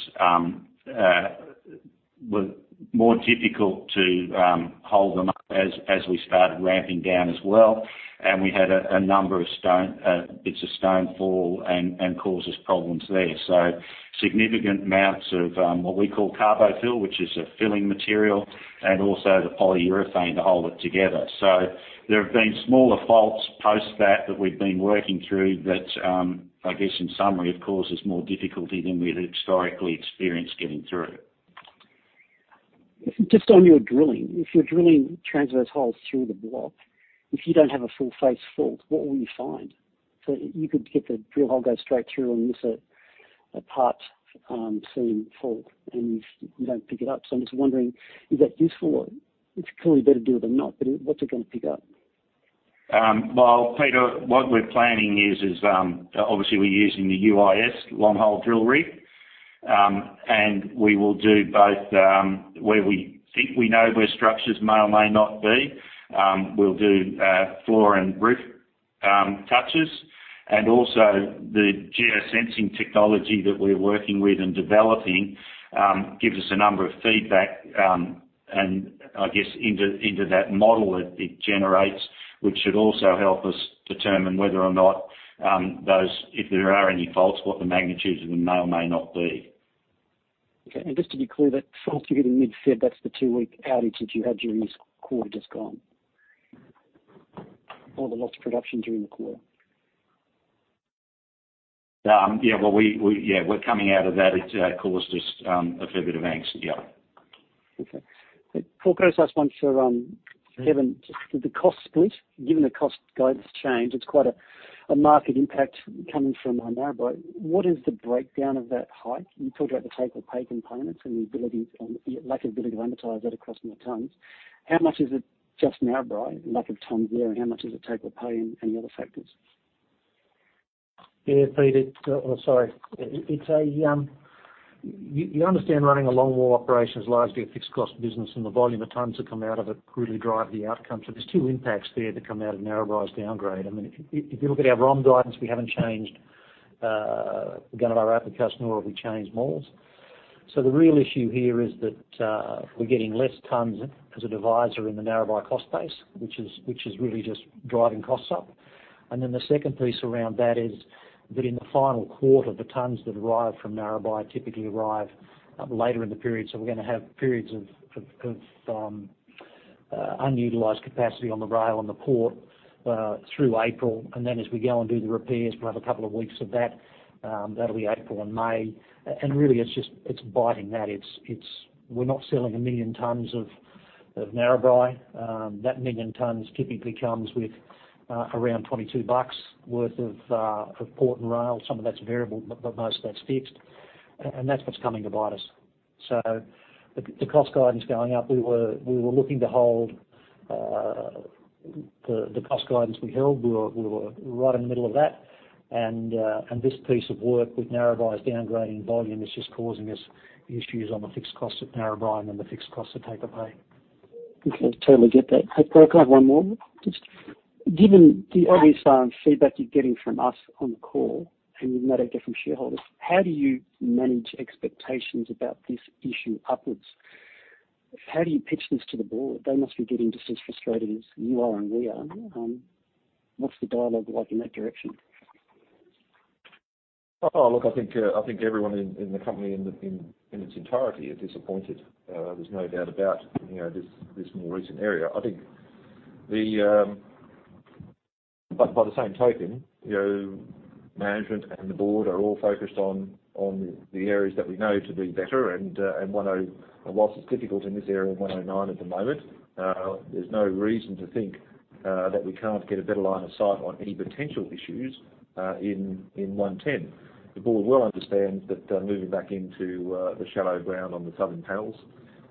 were more difficult to hold them up as we started ramping down as well. And we had a number of bits of stone fall and caused us problems there. So significant amounts of what we call CarboFill, which is a filling material, and also the polyurethane to hold it together. So there have been smaller faults post that that we've been working through that, I guess, in summary, have caused us more difficulty than we had historically experienced getting through.
Just on your drilling, if you're drilling transverse holes through the block, if you don't have a full-face fault, what will you find? So you could get the drill hole go straight through and miss a part-seam fault, and you don't pick it up. So I'm just wondering, is that useful? It's clearly better to do it than not, but what's it going to pick up?
Peter, what we're planning is, obviously, we're using the UIS longhole drilling, and we will do both where we think we know where structures may or may not be. We'll do floor and roof touches. And also, the geo-sensing technology that we're working with and developing gives us a number of feedback. And I guess into that model that it generates, which should also help us determine whether or not, if there are any faults, what the magnitudes of them may or may not be.
Okay, and just to be clear, that fault you're getting mid-face, that's the two-week outage that you had during this quarter just gone? Or the loss of production during the quarter?
Yeah. Well, yeah, we're coming out of that. It's caused us a fair bit of angst. Yeah.
Okay. Paul, can I ask one for Kevin? Just the cost split, given the cost guidance change, it's quite a market impact coming from Narrabri. What is the breakdown of that hit? You talked about the take-or-pay components and the lack of ability to amortize that across more tons. How much is it just Narrabri? Lack of tons there, and how much does it take-or-pay and any other factors?
Yeah, Peter. Oh, sorry. You understand running a longwall operation is largely a fixed cost business, and the volume of tons that come out of it really drive the outcome. So there's two impacts there that come out of Narrabri's downgrade. I mean, if you look at our ROM guidance, we haven't changed the Gunnedah open cuts, nor have we changed Maules. The real issue here is that we're getting less tons as a divisor in the Narrabri cost base, which is really just driving costs up, and then the second piece around that is that in the final quarter, the tons that arrive from Narrabri typically arrive later in the period. We're going to have periods of unutilized capacity on the rail and the port through April, and then as we go and do the repairs, we'll have a couple of weeks of that. That'll be April and May, and really, it's biting that. We're not selling a million tons of Narrabri. That million tons typically comes with around 22 bucks worth of port and rail. Some of that's variable, but most of that's fixed, and that's what's coming to bite us, so the cost guidance going up, we were looking to hold the cost guidance we held. We were right in the middle of that, and this piece of work with Narrabri's downgrading volume is just causing us issues on the fixed costs of Narrabri and then the fixed costs of take-or-pay.
Okay. Totally get that. I've got one more. Just given the obvious feedback you're getting from us on the call, and you've met our different shareholders, how do you manage expectations about this issue upwards? How do you pitch this to the board? They must be getting just as frustrated as you are and we are. What's the dialogue like in that direction?
Oh, look, I think everyone in the company in its entirety is disappointed. There's no doubt about this more recent area. I think, but by the same token, management and the board are all focused on the areas that we know to be better. And whilst it's difficult in this area in 109 at the moment, there's no reason to think that we can't get a better line of sight on any potential issues in 110. The board will understand that moving back into the shallow ground on the southern panels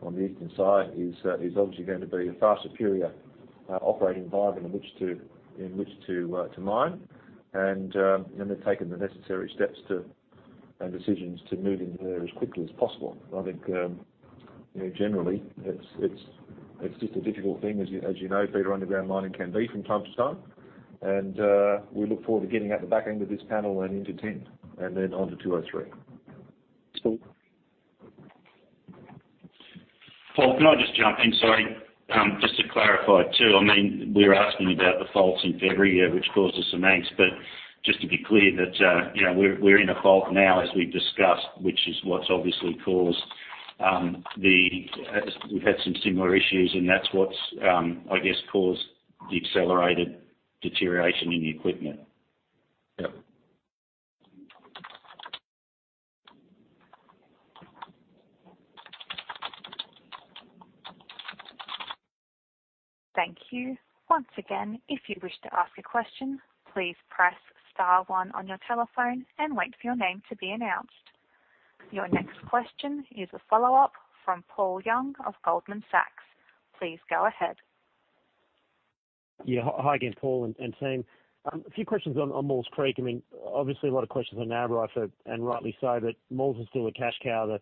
on the eastern side is obviously going to be a far superior operating environment in which to mine. And they've taken the necessary steps and decisions to move into there as quickly as possible. I think, generally, it's just a difficult thing, as you know, Peter, underground mining can be from time to time. We look forward to getting out the back end of this panel and into 10 and then onto 203.
Paul?
Paul, can I just jump in? Sorry. Just to clarify too, I mean, we were asking about the faults in February here, which caused us some angst. But just to be clear, we're in a fault now, as we've discussed, which is what's obviously caused. We've had some similar issues, and that's what's, I guess, caused the accelerated deterioration in the equipment.
Yeah.
Thank you. Once again, if you wish to ask a question, please press star one on your telephone and wait for your name to be announced. Your next question is a follow-up from Paul Young of Goldman Sachs. Please go ahead.
Yeah. Hi again, Paul and team. A few questions on Maules Creek. I mean, obviously, a lot of questions on Narrabri, and rightly so, but Maules is still a cash cow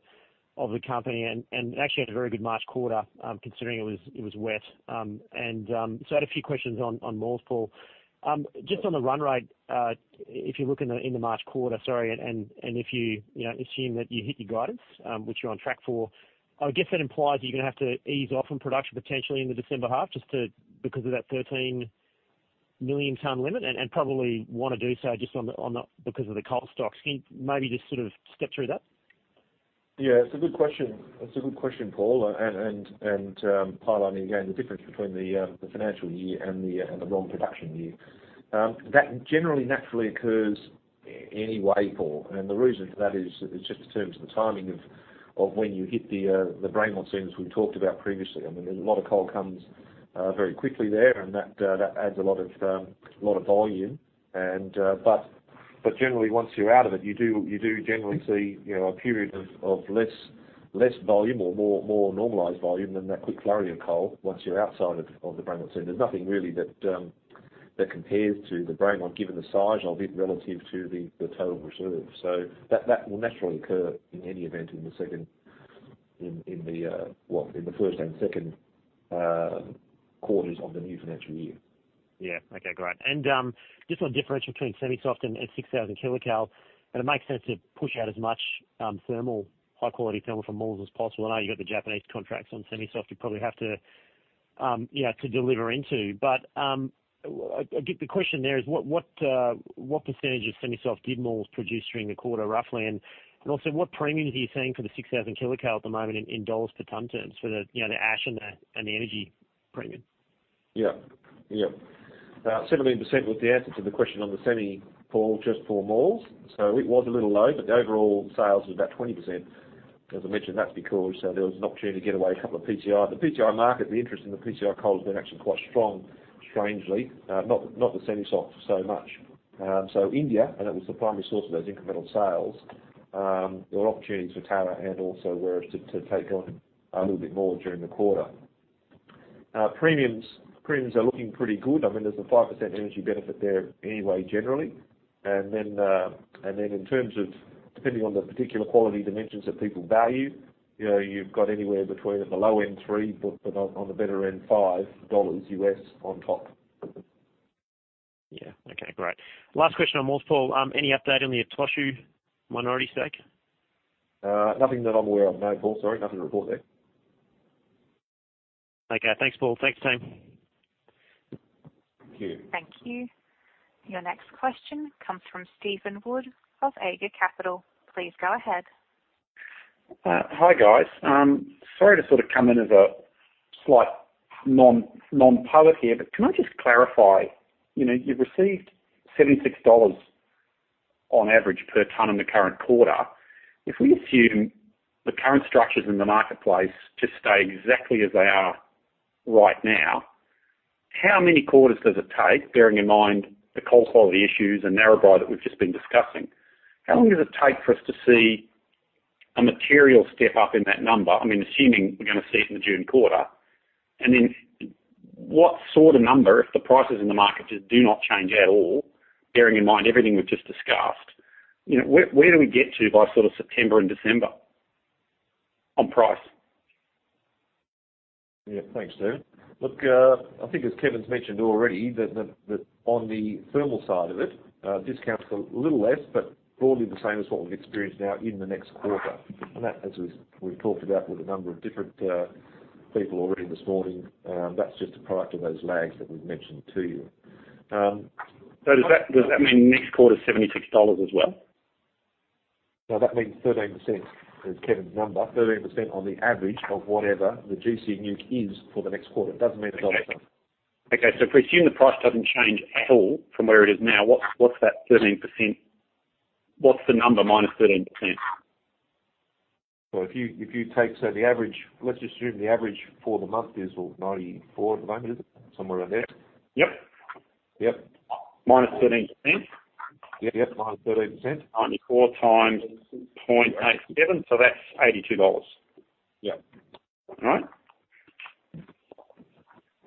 of the company and actually had a very good March quarter considering it was wet. And so I had a few questions on Maules, Paul. Just on the run rate, if you look in the March quarter, sorry, and if you assume that you hit your guidance, which you're on track for, I guess that implies that you're going to have to ease off from production potentially in the December half just because of that 13 million-ton limit and probably want to do so just because of the coal stocks. Can you maybe just sort of step through that?
Yeah. It's a good question. It's a good question, Paul. And part on, again, the difference between the financial year and the ROM production year. That generally naturally occurs anyway, Paul. And the reason for that is just in terms of the timing of when you hit the Braymont zones we've talked about previously. I mean, a lot of coal comes very quickly there, and that adds a lot of volume. But generally, once you're out of it, you do generally see a period of less volume or more normalized volume than that quick flurry of coal once you're outside of the Braymont zone. There's nothing really that compares to the Braymont given the size of it relative to the total reserve. So that will naturally occur in any event in the first and second quarters of the new financial year.
Yeah. Okay. Great. And just on differential between semi-soft and 6,000 kcal, it makes sense to push out as much thermal, high-quality thermal from Maules as possible. I know you've got the Japanese contracts on semi-soft you probably have to deliver into. But the question there is, what percentage of semi-soft did Maules produce during the quarter, roughly? And also, what premiums are you seeing for the 6,000 kcal at the moment in $ per ton terms for the ash and the energy premium?
Yeah. Yeah. About 17% was the answer to the question on the semi, Paul, just for Maules. So it was a little low, but the overall sales was about 20%. As I mentioned, that's because there was an opportunity to get away a couple of PCI. The PCI market, the interest in the PCI coal has been actually quite strong, strangely, not the semi-soft so much. So India, and it was the primary source of those incremental sales, there were opportunities for Tarra and also Werris to take on a little bit more during the quarter. Premiums are looking pretty good. I mean, there's a 5% energy benefit there anyway, generally. And then in terms of depending on the particular quality dimensions that people value, you've got anywhere between at the low end $3, but on the better end, $5 on top.
Yeah. Okay. Great. Last question on Maules, Paul. Any update on the Itochu minority stake?
Nothing that I'm aware of. No, Paul. Sorry. Nothing to report there.
Okay. Thanks, Paul. Thanks, team.
Thank you.
Thank you. Your next question comes from Stephen Wood of Eiger Capital. Please go ahead.
Hi, guys. Sorry to sort of come in as a slight non-pilot here, but can I just clarify? You've received $76 on average per ton in the current quarter. If we assume the current structures in the marketplace just stay exactly as they are right now, how many quarters does it take, bearing in mind the coal quality issues and Narrabri that we've just been discussing? How long does it take for us to see a material step up in that number? I mean, assuming we're going to see it in the June quarter. And then what sort of number, if the prices in the market just do not change at all, bearing in mind everything we've just discussed, where do we get to by sort of September and December on price?
Yeah. Thanks, Stephen. Look, I think, as Kevin's mentioned already, that on the thermal side of it, discounts are a little less, but broadly the same as what we've experienced now in the next quarter, and that, as we've talked about with a number of different people already this morning, that's just a product of those lags that we've mentioned to you.
So does that mean next quarter $76 as well?
No, that means 13% is Kevin's number. 13% on the average of whatever the gC NEWC is for the next quarter. It doesn't mean a dollar something.
Okay. So if we assume the price doesn't change at all from where it is now, what's that 13%? What's the number minus 13%?
If you take so the average, let's just assume the average for the month is, well, 94 at the moment, is it? Somewhere around there. Yep.
Minus 13%. 94 times 0.87, so that's $82.
Yep.
All right,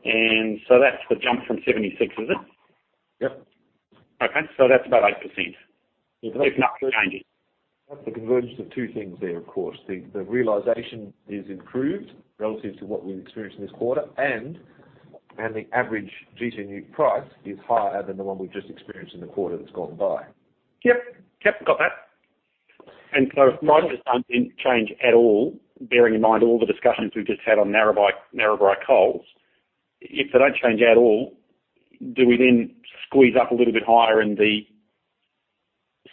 and so that's the jump from 76, is it?
Yep.
Okay. So that's about 8%.
Yeah.
If nothing changes.
That's the convergence of two things there, of course. The realization is improved relative to what we've experienced in this quarter, and the average gC NEWC price is higher than the one we've just experienced in the quarter that's gone by.
Yep. Yep. Got that. And so if prices don't change at all, bearing in mind all the discussions we've just had on Narrabri coals, if they don't change at all, do we then squeeze up a little bit higher in the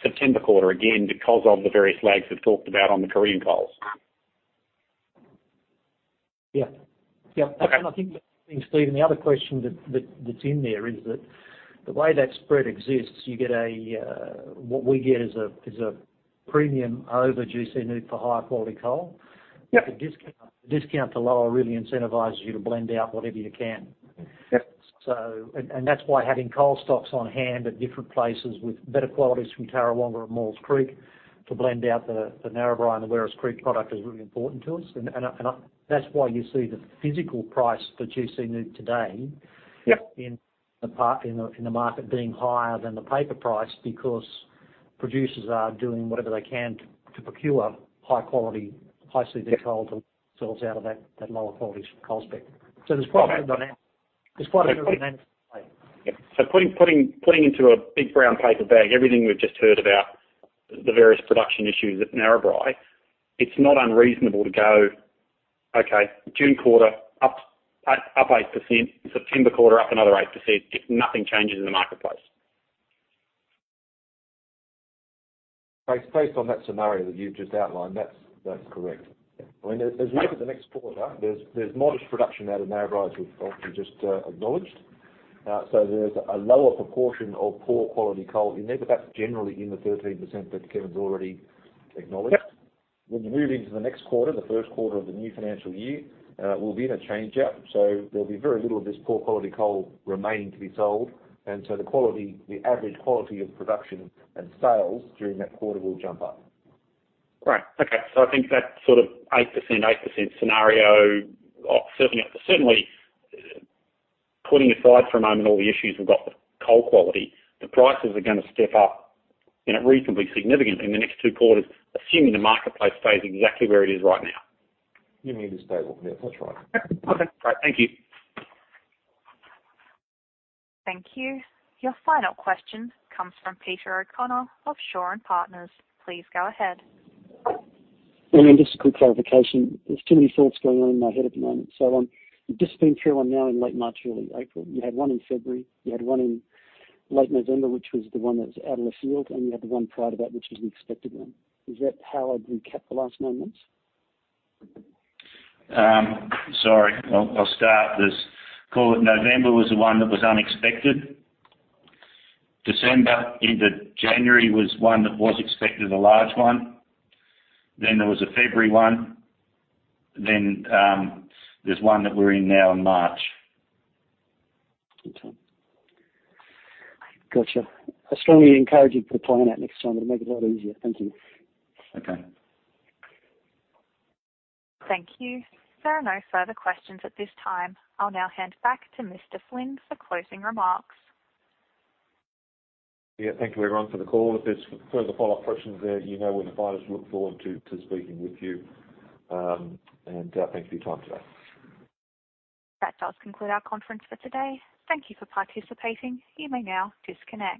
September quarter again because of the various lags we've talked about on the Korean coals?
Yeah.
Yep.
Okay.
And I think, Stephen, the other question that's in there is that the way that spread exists. You get, what we get, is a premium over gC NEWC for higher quality coal. The discount to lower really incentivizes you to blend out whatever you can. And that's why having coal stocks on hand at different places with better qualities from Tarrawonga and Maules Creek to blend out the Narrabri and the Werris Creek product is really important to us. And that's why you see the physical price for gC NEWC today in the market being higher than the paper price because producers are doing whatever they can to procure high-quality, high CV coal to sort out that lower quality coal spec. So there's quite a bit of dynamics at play.
Yep. So putting into a big brown paper bag everything we've just heard about, the various production issues at Narrabri, it's not unreasonable to go, "Okay. June quarter, up 8%. September quarter, up another 8% if nothing changes in the marketplace.
Based on that scenario that you've just outlined, that's correct. I mean, as we look at the next quarter, there's modest production out of Narrabri as we've obviously just acknowledged. So there's a lower proportion of poor quality coal in there, but that's generally in the 13% that Kevin's already acknowledged. When you move into the next quarter, the first quarter of the new financial year, we'll be in a change-out. So there'll be very little of this poor quality coal remaining to be sold. And so the average quality of production and sales during that quarter will jump up.
Right. Okay, so I think that sort of 8%, 8% scenario, certainly putting aside for a moment all the issues we've got with coal quality, the prices are going to step up reasonably significantly in the next two quarters, assuming the marketplace stays exactly where it is right now.
You mean to say what we have. That's right.
Okay. Perfect. Thank you.
Thank you. Your final question comes from Peter O'Connor of Shaw and Partners. Please go ahead.
And then just a quick clarification. There's too many thoughts going on in my head at the moment. So I'm just being fair. I'm now in late March, early April. You had one in February. You had one in late November, which was the one that was out of the field, and you had the one prior to that, which was the expected one. Is that how I'd recap the last moments?
Sorry. I'll start this. Call it November was the one that was unexpected. December into January was one that was expected, a large one. Then there was a February one. Then there's one that we're in now in March.
Okay. Gotcha. I strongly encourage you to put a PowerPoint out next time to make it a lot easier. Thank you.
Okay.
Thank you. There are no further questions at this time. I'll now hand back to Mr. Flynn for closing remarks.
Yeah. Thank you, everyone, for the call. If there's further follow-up questions there, you know we're the buyers who look forward to speaking with you, and thanks for your time today.
That does conclude our conference for today. Thank you for participating. You may now disconnect.